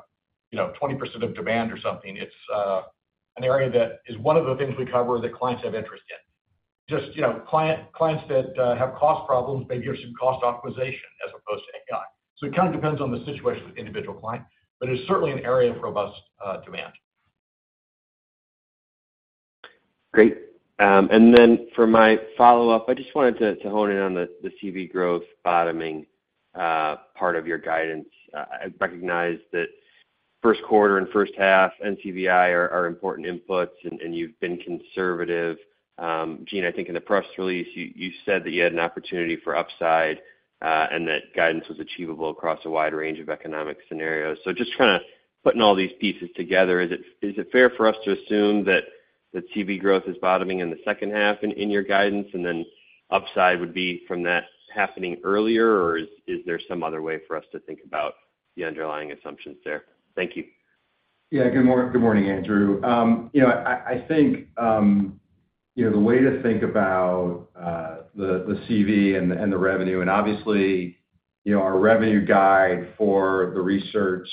Speaker 2: you know, 20% of demand or something. It's an area that is one of the things we cover that clients have interest in. Just, you know, clients that have cost problems, maybe are some cost optimization as opposed to AI. It kind of depends on the situation with individual client, but it's certainly an area of robust demand.
Speaker 9: Great. And then for my follow-up, I just wanted to hone in on the CV growth bottoming part of your guidance. I recognize that first quarter and first half NCVI are important inputs, and you've been conservative. Gene, I think in the press release, you said that you had an opportunity for upside, and that guidance was achievable across a wide range of economic scenarios. So just kinda putting all these pieces together, is it fair for us to assume that the CV growth is bottoming in the second half in your guidance, and then upside would be from that happening earlier, or is there some other way for us to think about the underlying assumptions there? Thank you.
Speaker 3: Yeah. Good morning, Andrew. You know, I think, you know, the way to think about the CV and the revenue, and obviously, you know, our revenue guide for the research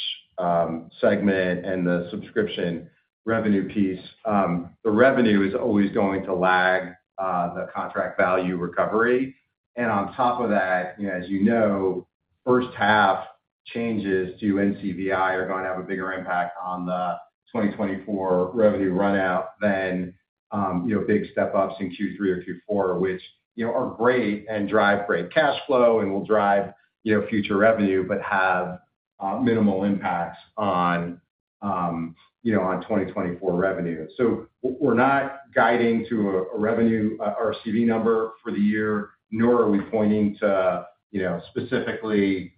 Speaker 3: segment and the subscription revenue piece, the revenue is always going to lag the contract value recovery. And on top of that, you know, as you know, first half changes to NCVI are gonna have a bigger impact on the 2024 revenue run rate than, you know, big step ups in Q3 or Q4, which, you know, are great and drive great cash flow and will drive, you know, future revenue, but have minimal impacts on, you know, on 2024 revenue. So we're not guiding to a revenue or a CV number for the year, nor are we pointing to, you know, specifically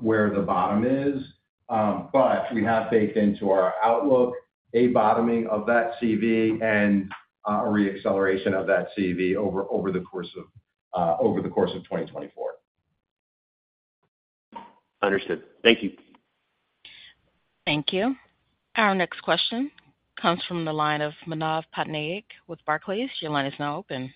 Speaker 3: where the bottom is. But we have baked into our outlook a bottoming of that CV and a re-acceleration of that CV over the course of 2024.
Speaker 9: Understood. Thank you.
Speaker 4: Thank you. Our next question comes from the line of Manav Patnaik with Barclays. Your line is now open.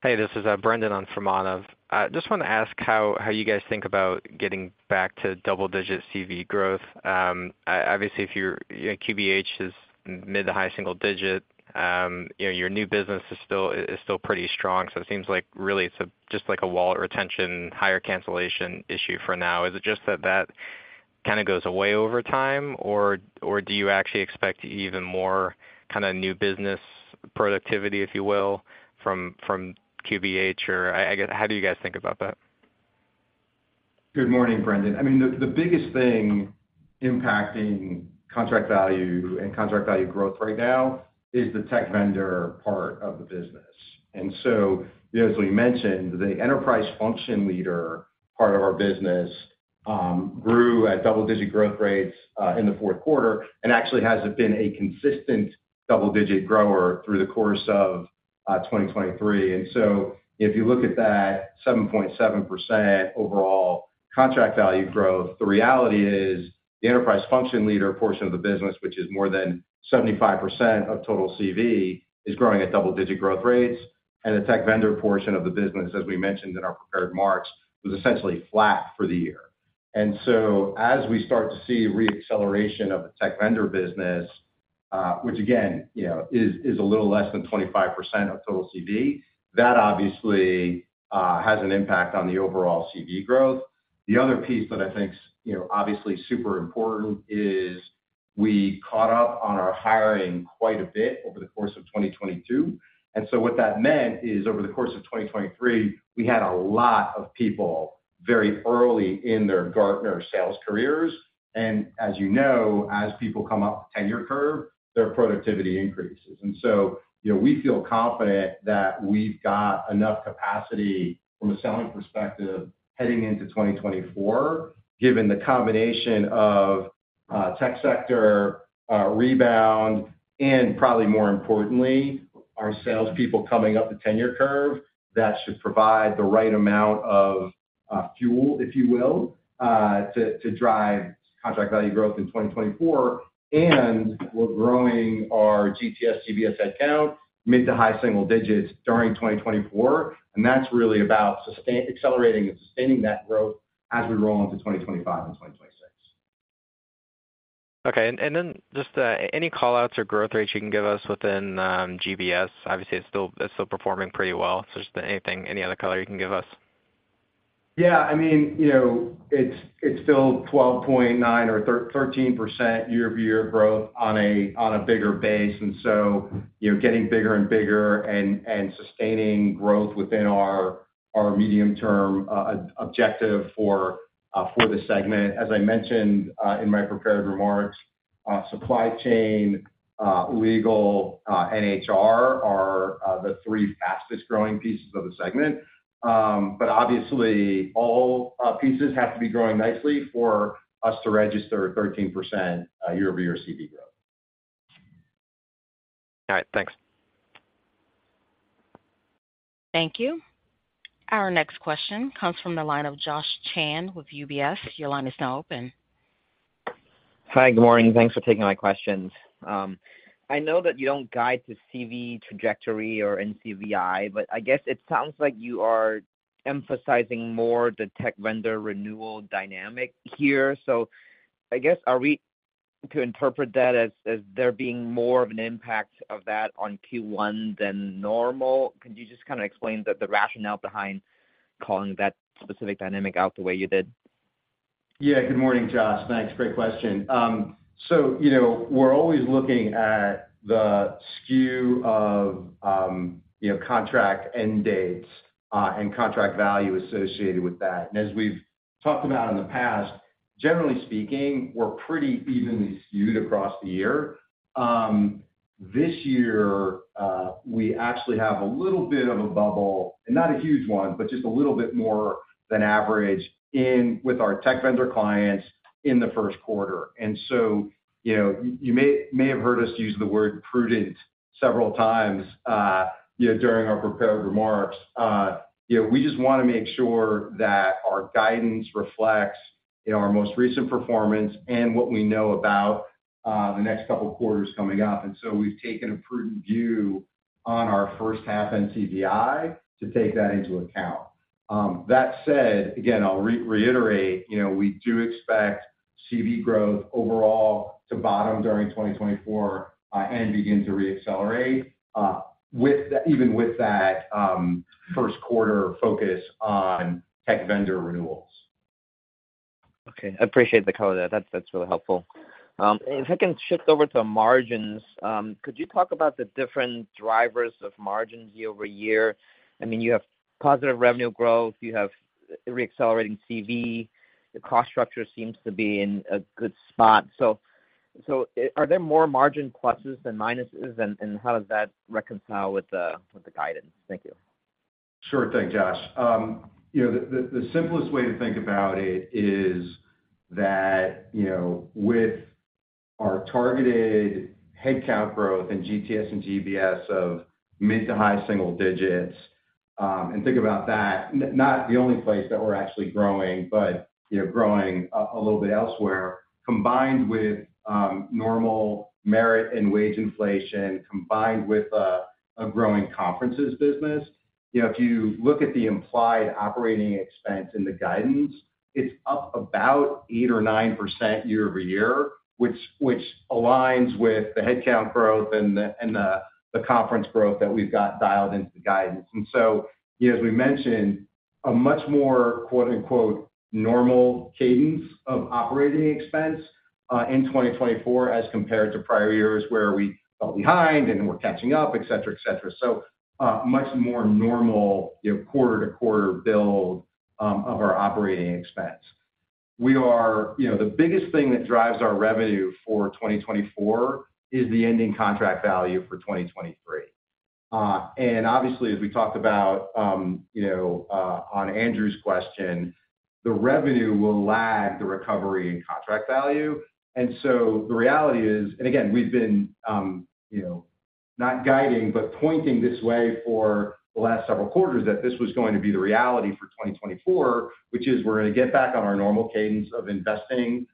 Speaker 10: Hey, this is Brendan on for Manav. I just want to ask how you guys think about getting back to double-digit CV growth. Obviously, if your QBH is mid to high single digit, you know, your new business is still, is still pretty strong, so it seems like really it's just like a wallet retention, higher cancellation issue for now. Is it just that that kind of goes away over time, or do you actually expect even more kind of new business productivity, if you will, from QBH? Or how do you guys think about that?
Speaker 3: Good morning, Brendan. I mean, the, the biggest thing impacting contract value and contract value growth right now is the tech vendor part of the business. And so, you know, as we mentioned, the enterprise function leader part of our business, grew at double-digit growth rates, in the fourth quarter and actually has been a consistent double-digit grower through the course of, 2023. And so if you look at that 7.7% overall contract value growth, the reality is-... The enterprise function leader portion of the business, which is more than 75% of total CV, is growing at double-digit growth rates, and the tech vendor portion of the business, as we mentioned in our prepared remarks, was essentially flat for the year. And so as we start to see reacceleration of the tech vendor business, which again, you know, is a little less than 25% of total CV, that obviously has an impact on the overall CV growth. The other piece that I think's, you know, obviously super important is we caught up on our hiring quite a bit over the course of 2022, and so what that meant is over the course of 2023, we had a lot of people very early in their Gartner sales careers. And as you know, as people come up the tenure curve, their productivity increases. You know, we feel confident that we've got enough capacity from a selling perspective, heading into 2024, given the combination of tech sector rebound, and probably more importantly, our salespeople coming up the tenure curve, that should provide the right amount of fuel, if you will, to drive contract value growth in 2024. We're growing our GTS GBS headcount mid- to high-single-digits during 2024, and that's really about accelerating and sustaining that growth as we roll into 2025 and 2026.
Speaker 10: Okay. And then just any call-outs or growth rates you can give us within GBS? Obviously, it's still performing pretty well. So just anything, any other color you can give us.
Speaker 3: Yeah, I mean, you know, it's still 12.9% or 13% year-over-year growth on a bigger base. And so you're getting bigger and bigger and sustaining growth within our medium-term objective for the segment. As I mentioned in my prepared remarks, supply chain, legal, and HR are the three fastest-growing pieces of the segment. But obviously, all pieces have to be growing nicely for us to register a 13% year-over-year CV growth.
Speaker 10: All right, thanks.
Speaker 4: Thank you. Our next question comes from the line of Josh Chan with UBS. Your line is now open.
Speaker 11: Hi, good morning. Thanks for taking my questions. I know that you don't guide to CV trajectory or NCVI, but I guess it sounds like you are emphasizing more the tech vendor renewal dynamic here. So I guess, are we to interpret that as, as there being more of an impact of that on Q1 than normal? Can you just kinda explain the, the rationale behind calling that specific dynamic out the way you did?
Speaker 3: Yeah. Good morning, Josh. Thanks. Great question. So, you know, we're always looking at the skew of, you know, contract end dates, and contract value associated with that. And as we've talked about in the past, generally speaking, we're pretty evenly skewed across the year. This year, we actually have a little bit of a bubble, and not a huge one, but just a little bit more than average in with our tech vendor clients in the first quarter. And so, you know, you may, may have heard us use the word prudent several times, you know, during our prepared remarks. You know, we just wanna make sure that our guidance reflects, you know, our most recent performance and what we know about, the next couple of quarters coming up. And so we've taken a prudent view on our first half NCVI to take that into account. That said, again, I'll reiterate, you know, we do expect CV growth overall to bottom during 2024, and begin to reaccelerate, with that even with that, first quarter focus on tech vendor renewals.
Speaker 11: Okay, I appreciate the color there. That's, that's really helpful. If I can shift over to margins, could you talk about the different drivers of margins year-over-year? I mean, you have positive revenue growth, you have reaccelerating CV, the cost structure seems to be in a good spot. So, are there more margin pluses than minuses, and how does that reconcile with the guidance? Thank you.
Speaker 3: Sure thing, Josh. You know, the simplest way to think about it is that, you know, with our targeted headcount growth in GTS and GBS of mid to high single digits, and think about that, not the only place that we're actually growing, but, you know, growing a little bit elsewhere, combined with normal merit and wage inflation, combined with a growing conferences business. You know, if you look at the implied operating expense in the guidance, it's up about 8% or 9% year-over-year, which aligns with the headcount growth and the conference growth that we've got dialed into the guidance. And so, you know, as we mentioned, a much more, quote-unquote, "normal cadence" of operating expense, in 2024 as compared to prior years where we fell behind and we're catching up, et cetera, et cetera. So, much more normal, you know, quarter-to-quarter build, of our operating expense. You know, the biggest thing that drives our revenue for 2024 is the ending contract value for 2023. And obviously, as we talked about, you know, on Andrew's question, the revenue will lag the recovery in contract value. And so the reality is... And again, we've been, you know. Not guiding, but pointing this way for the last several quarters, that this was going to be the reality for 2024, which is we're gonna get back on our normal cadence of investing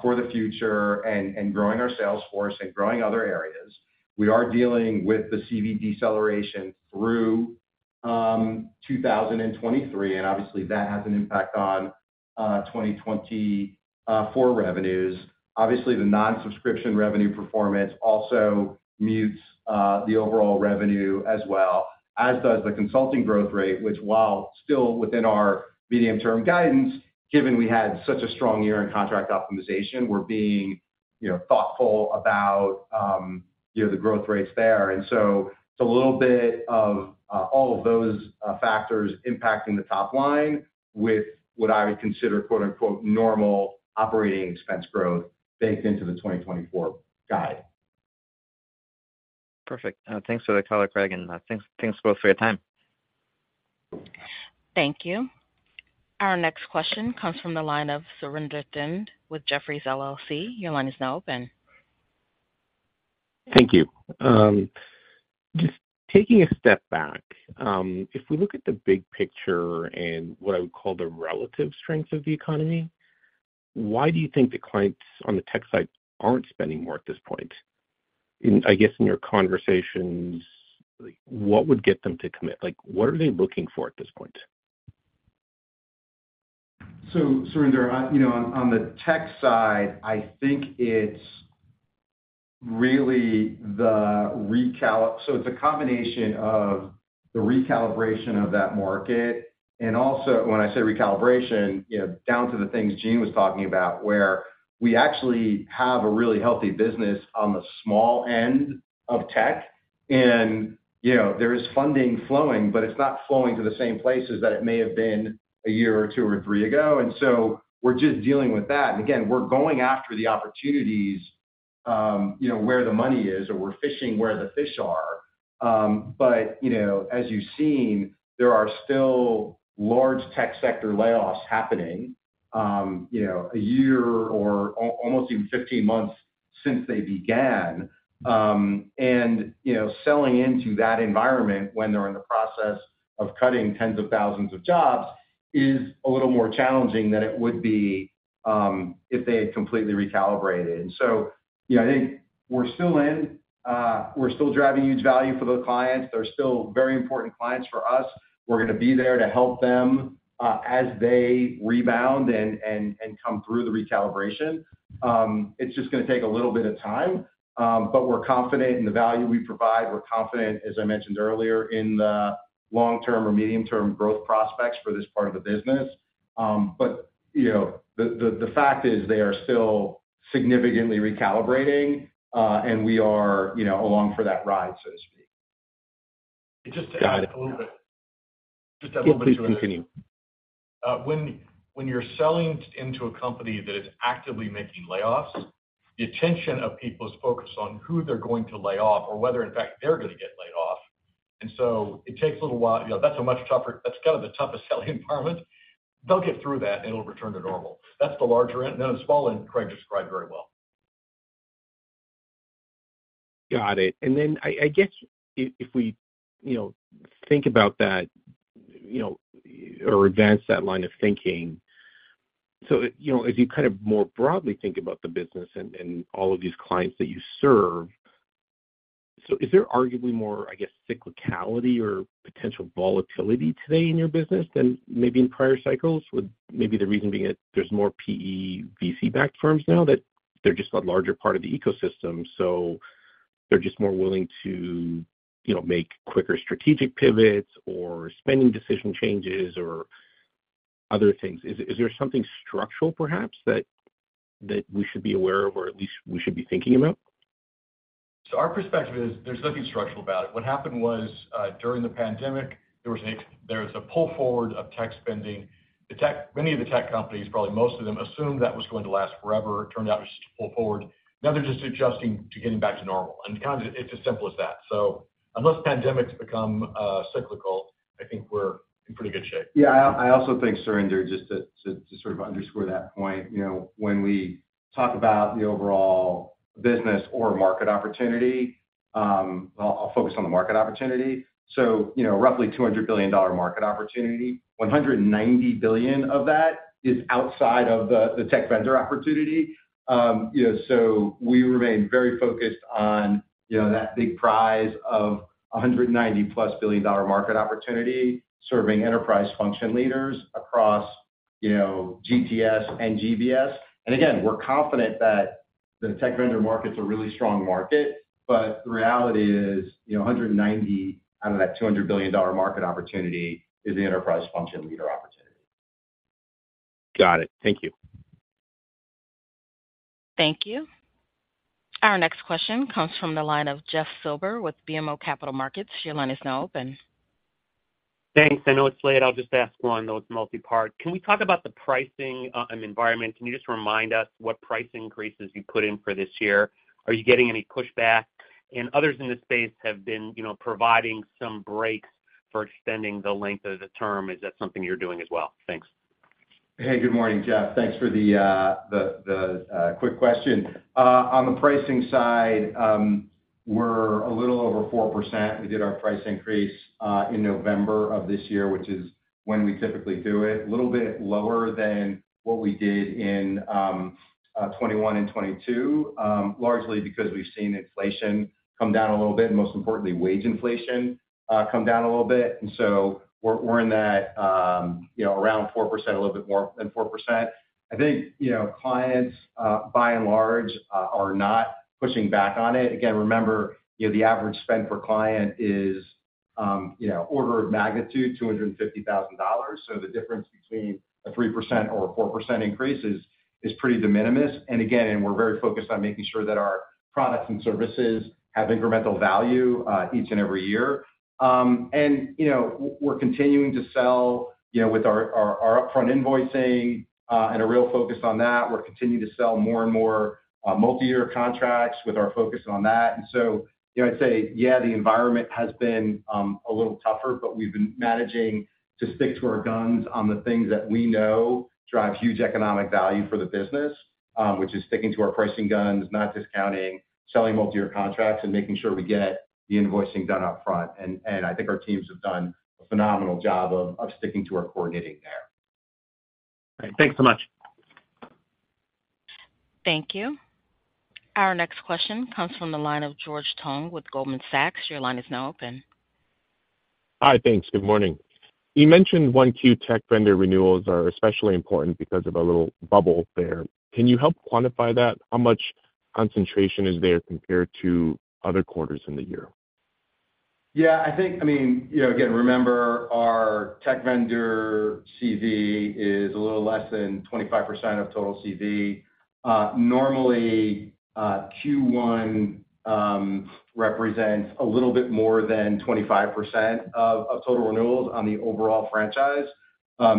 Speaker 3: for the future and growing our sales force and growing other areas. We are dealing with the CV deceleration through 2023, and obviously, that has an impact on 2024 revenues. Obviously, the non-subscription revenue performance also mutes the overall revenue as well, as does the consulting growth rate, which, while still within our medium-term guidance, given we had such a strong year in contract optimization, we're being, you know, thoughtful about, you know, the growth rates there. And so it's a little bit of all of those factors impacting the top line with what I would consider, quote, unquote, "normal operating expense growth" baked into the 2024 guide.
Speaker 11: Perfect. Thanks for the color, Craig, and thanks, thanks both for your time.
Speaker 4: Thank you. Our next question comes from the line of Surinder Thind with Jefferies LLC. Your line is now open.
Speaker 12: Thank you. Just taking a step back, if we look at the big picture and what I would call the relative strength of the economy, why do you think the clients on the tech side aren't spending more at this point? I guess in your conversations, what would get them to commit? Like, what are they looking for at this point?
Speaker 3: So Surinder, you know, on the tech side, I think it's really the recalibration of that market, and also when I say recalibration, you know, down to the things Gene was talking about, where we actually have a really healthy business on the small end of tech. And, you know, there is funding flowing, but it's not flowing to the same places that it may have been a year or two or three ago, and so we're just dealing with that. And again, we're going after the opportunities, you know, where the money is, or we're fishing where the fish are. But, you know, as you've seen, there are still large tech sector layoffs happening, you know, a year or almost even 15 months since they began. And, you know, selling into that environment when they're in the process of cutting tens of thousands of jobs is a little more challenging than it would be, if they had completely recalibrated. So, you know, I think we're still driving huge value for those clients. They're still very important clients for us. We're gonna be there to help them, as they rebound and come through the recalibration. It's just gonna take a little bit of time, but we're confident in the value we provide. We're confident, as I mentioned earlier, in the long-term or medium-term growth prospects for this part of the business. But, you know, the fact is they are still significantly recalibrating, and we are, you know, along for that ride, so to speak.
Speaker 2: Just to add a little bit.
Speaker 12: Yes, please continue.
Speaker 2: When you're selling into a company that is actively making layoffs, the attention of people is focused on who they're going to lay off or whether, in fact, they're gonna get laid off. And so it takes a little while. You know, that's a much tougher, that's kind of the toughest selling environment. They'll get through that, and it'll return to normal. That's the larger end, and the small end, Craig described very well.
Speaker 12: Got it. Then I guess if we, you know, think about that, you know, or advance that line of thinking, so, you know, as you kind of more broadly think about the business and all of these clients that you serve, so is there arguably more, I guess, cyclicality or potential volatility today in your business than maybe in prior cycles? With maybe the reason being that there's more PE VC-backed firms now, that they're just a larger part of the ecosystem, so they're just more willing to, you know, make quicker strategic pivots or spending decision changes or other things. Is there something structural, perhaps, that we should be aware of or at least we should be thinking about?
Speaker 2: So our perspective is there's nothing structural about it. What happened was, during the pandemic, there was a pull forward of tech spending. Many of the tech companies, probably most of them, assumed that was going to last forever. It turned out it was just a pull forward. Now they're just adjusting to getting back to normal, and kind of it's as simple as that. So unless pandemics become cyclical, I think we're in pretty good shape. Yeah, I also think, Surinder, just to sort of underscore that point, you know, when we talk about the overall business or market opportunity, I'll focus on the market opportunity. So, you know, roughly $200 billion market opportunity, $190 billion of that is outside of the tech vendor opportunity. You know, so we remain very focused on, you know, that big prize of a $190+ billion market opportunity, serving enterprise function leaders across, you know, GTS and GBS. And again, we're confident that the tech vendor market is a really strong market, but the reality is, you know, $190 out of that $200 billion market opportunity is the enterprise function leader opportunity.
Speaker 12: Got it. Thank you.
Speaker 4: Thank you. Our next question comes from the line of Jeff Silber with BMO Capital Markets. Your line is now open.
Speaker 13: Thanks. I know it's late. I'll just ask one, though it's multi-part. Can we talk about the pricing and environment? Can you just remind us what price increases you put in for this year? Are you getting any pushback? And others in this space have been, you know, providing some breaks for extending the length of the term. Is that something you're doing as well? Thanks.
Speaker 3: Hey, good morning, Jeff. Thanks for the quick question. On the pricing side, we're a little over 4%. We did our price increase in November of this year, which is when we typically do it. A little bit lower than what we did in 2021 and 2022, largely because we've seen inflation come down a little bit, and most importantly, wage inflation come down a little bit. And so we're in that, you know, around 4%, a little bit more than 4%. I think, you know, clients by and large are not pushing back on it. Again, remember, you know, the average spend per client is, you know, order of magnitude, $250,000. So the difference between a 3% or a 4% increase is pretty de minimis. And again, we're very focused on making sure that our products and services have incremental value each and every year. You know, we're continuing to sell with our upfront invoicing and a real focus on that. We're continuing to sell more and more multi-year contracts with our focus on that. And so, you know, I'd say, yeah, the environment has been a little tougher, but we've been managing to stick to our guns on the things that we know drive huge economic value for the business, which is sticking to our pricing guns, not discounting, selling multi-year contracts, and making sure we get the invoicing done up front. I think our teams have done a phenomenal job of sticking to our core knitting there.
Speaker 13: All right. Thanks so much.
Speaker 4: Thank you. Our next question comes from the line of George Tong with Goldman Sachs. Your line is now open.
Speaker 14: Hi. Thanks. Good morning. You mentioned 1Q tech vendor renewals are especially important because of a little bubble there. Can you help quantify that? How much concentration is there compared to other quarters in the year?
Speaker 3: Yeah, I think, I mean, you know, again, remember, our tech vendor CV is a little less than 25% of total CV. Normally, Q1 represents a little bit more than 25% of total renewals on the overall franchise.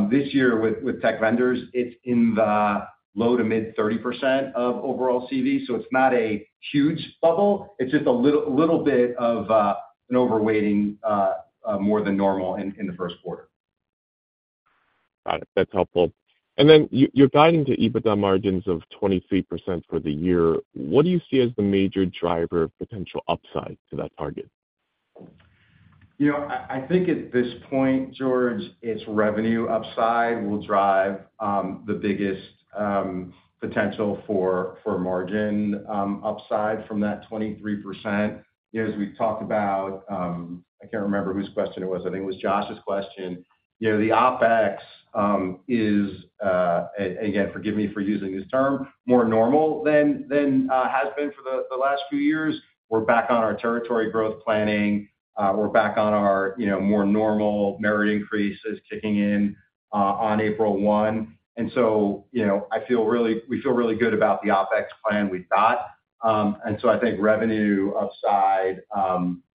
Speaker 3: This year with tech vendors, it's in the low- to mid-30% of overall CV. So it's not a huge bubble, it's just a little bit of an overweighting more than normal in the first quarter.
Speaker 14: Got it. That's helpful. And then you, you're guiding to EBITDA margins of 23% for the year. What do you see as the major driver potential upside to that target?
Speaker 3: You know, I think at this point, George, it's revenue upside will drive the biggest potential for margin upside from that 23%. You know, as we've talked about, I can't remember whose question it was, I think it was Josh's question. You know, the OpEx is again, forgive me for using this term, more normal than has been for the last few years. We're back on our territory growth planning. We're back on our, you know, more normal merit increases kicking in on April 1. And so, you know, I feel really- we feel really good about the OpEx plan we've got. And so I think revenue upside,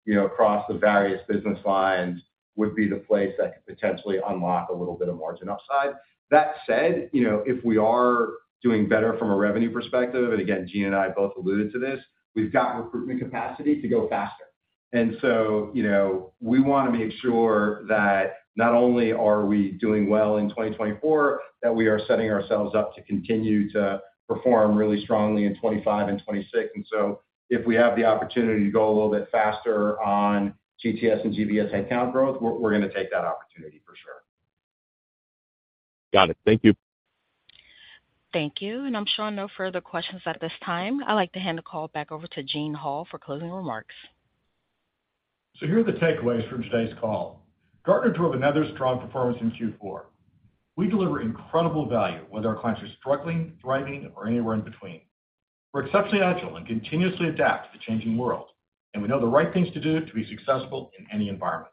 Speaker 3: you know, across the various business lines would be the place that could potentially unlock a little bit of margin upside. That said, you know, if we are doing better from a revenue perspective, and again, Gene and I both alluded to this, we've got recruitment capacity to go faster. And so, you know, we wanna make sure that not only are we doing well in 2024, that we are setting ourselves up to continue to perform really strongly in 2025 and 2026. And so if we have the opportunity to go a little bit faster on GTS and GBS headcount growth, we're, we're gonna take that opportunity for sure.
Speaker 14: Got it. Thank you.
Speaker 4: Thank you. I'm showing no further questions at this time. I'd like to hand the call back over to Gene Hall for closing remarks.
Speaker 2: Here are the takeaways from today's call. Gartner drove another strong performance in Q4. We deliver incredible value, whether our clients are struggling, thriving, or anywhere in between. We're exceptionally agile and continuously adapt to the changing world, and we know the right things to do to be successful in any environment.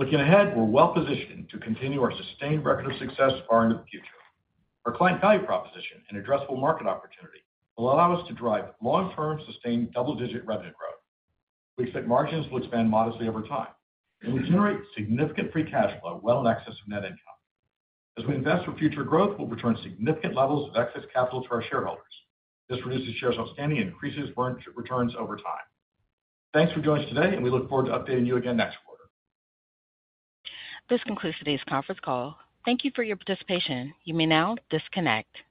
Speaker 2: Looking ahead, we're well positioned to continue our sustained record of success far into the future. Our client value proposition and addressable market opportunity will allow us to drive long-term, sustained, double-digit revenue growth. We expect margins will expand modestly over time, and we generate significant free cash flow well in excess of net income. As we invest for future growth, we'll return significant levels of excess capital to our shareholders. This reduces shares outstanding and increases burn returns over time. Thanks for joining us today, and we look forward to updating you again next quarter.
Speaker 4: This concludes today's conference call. Thank you for your participation. You may now disconnect.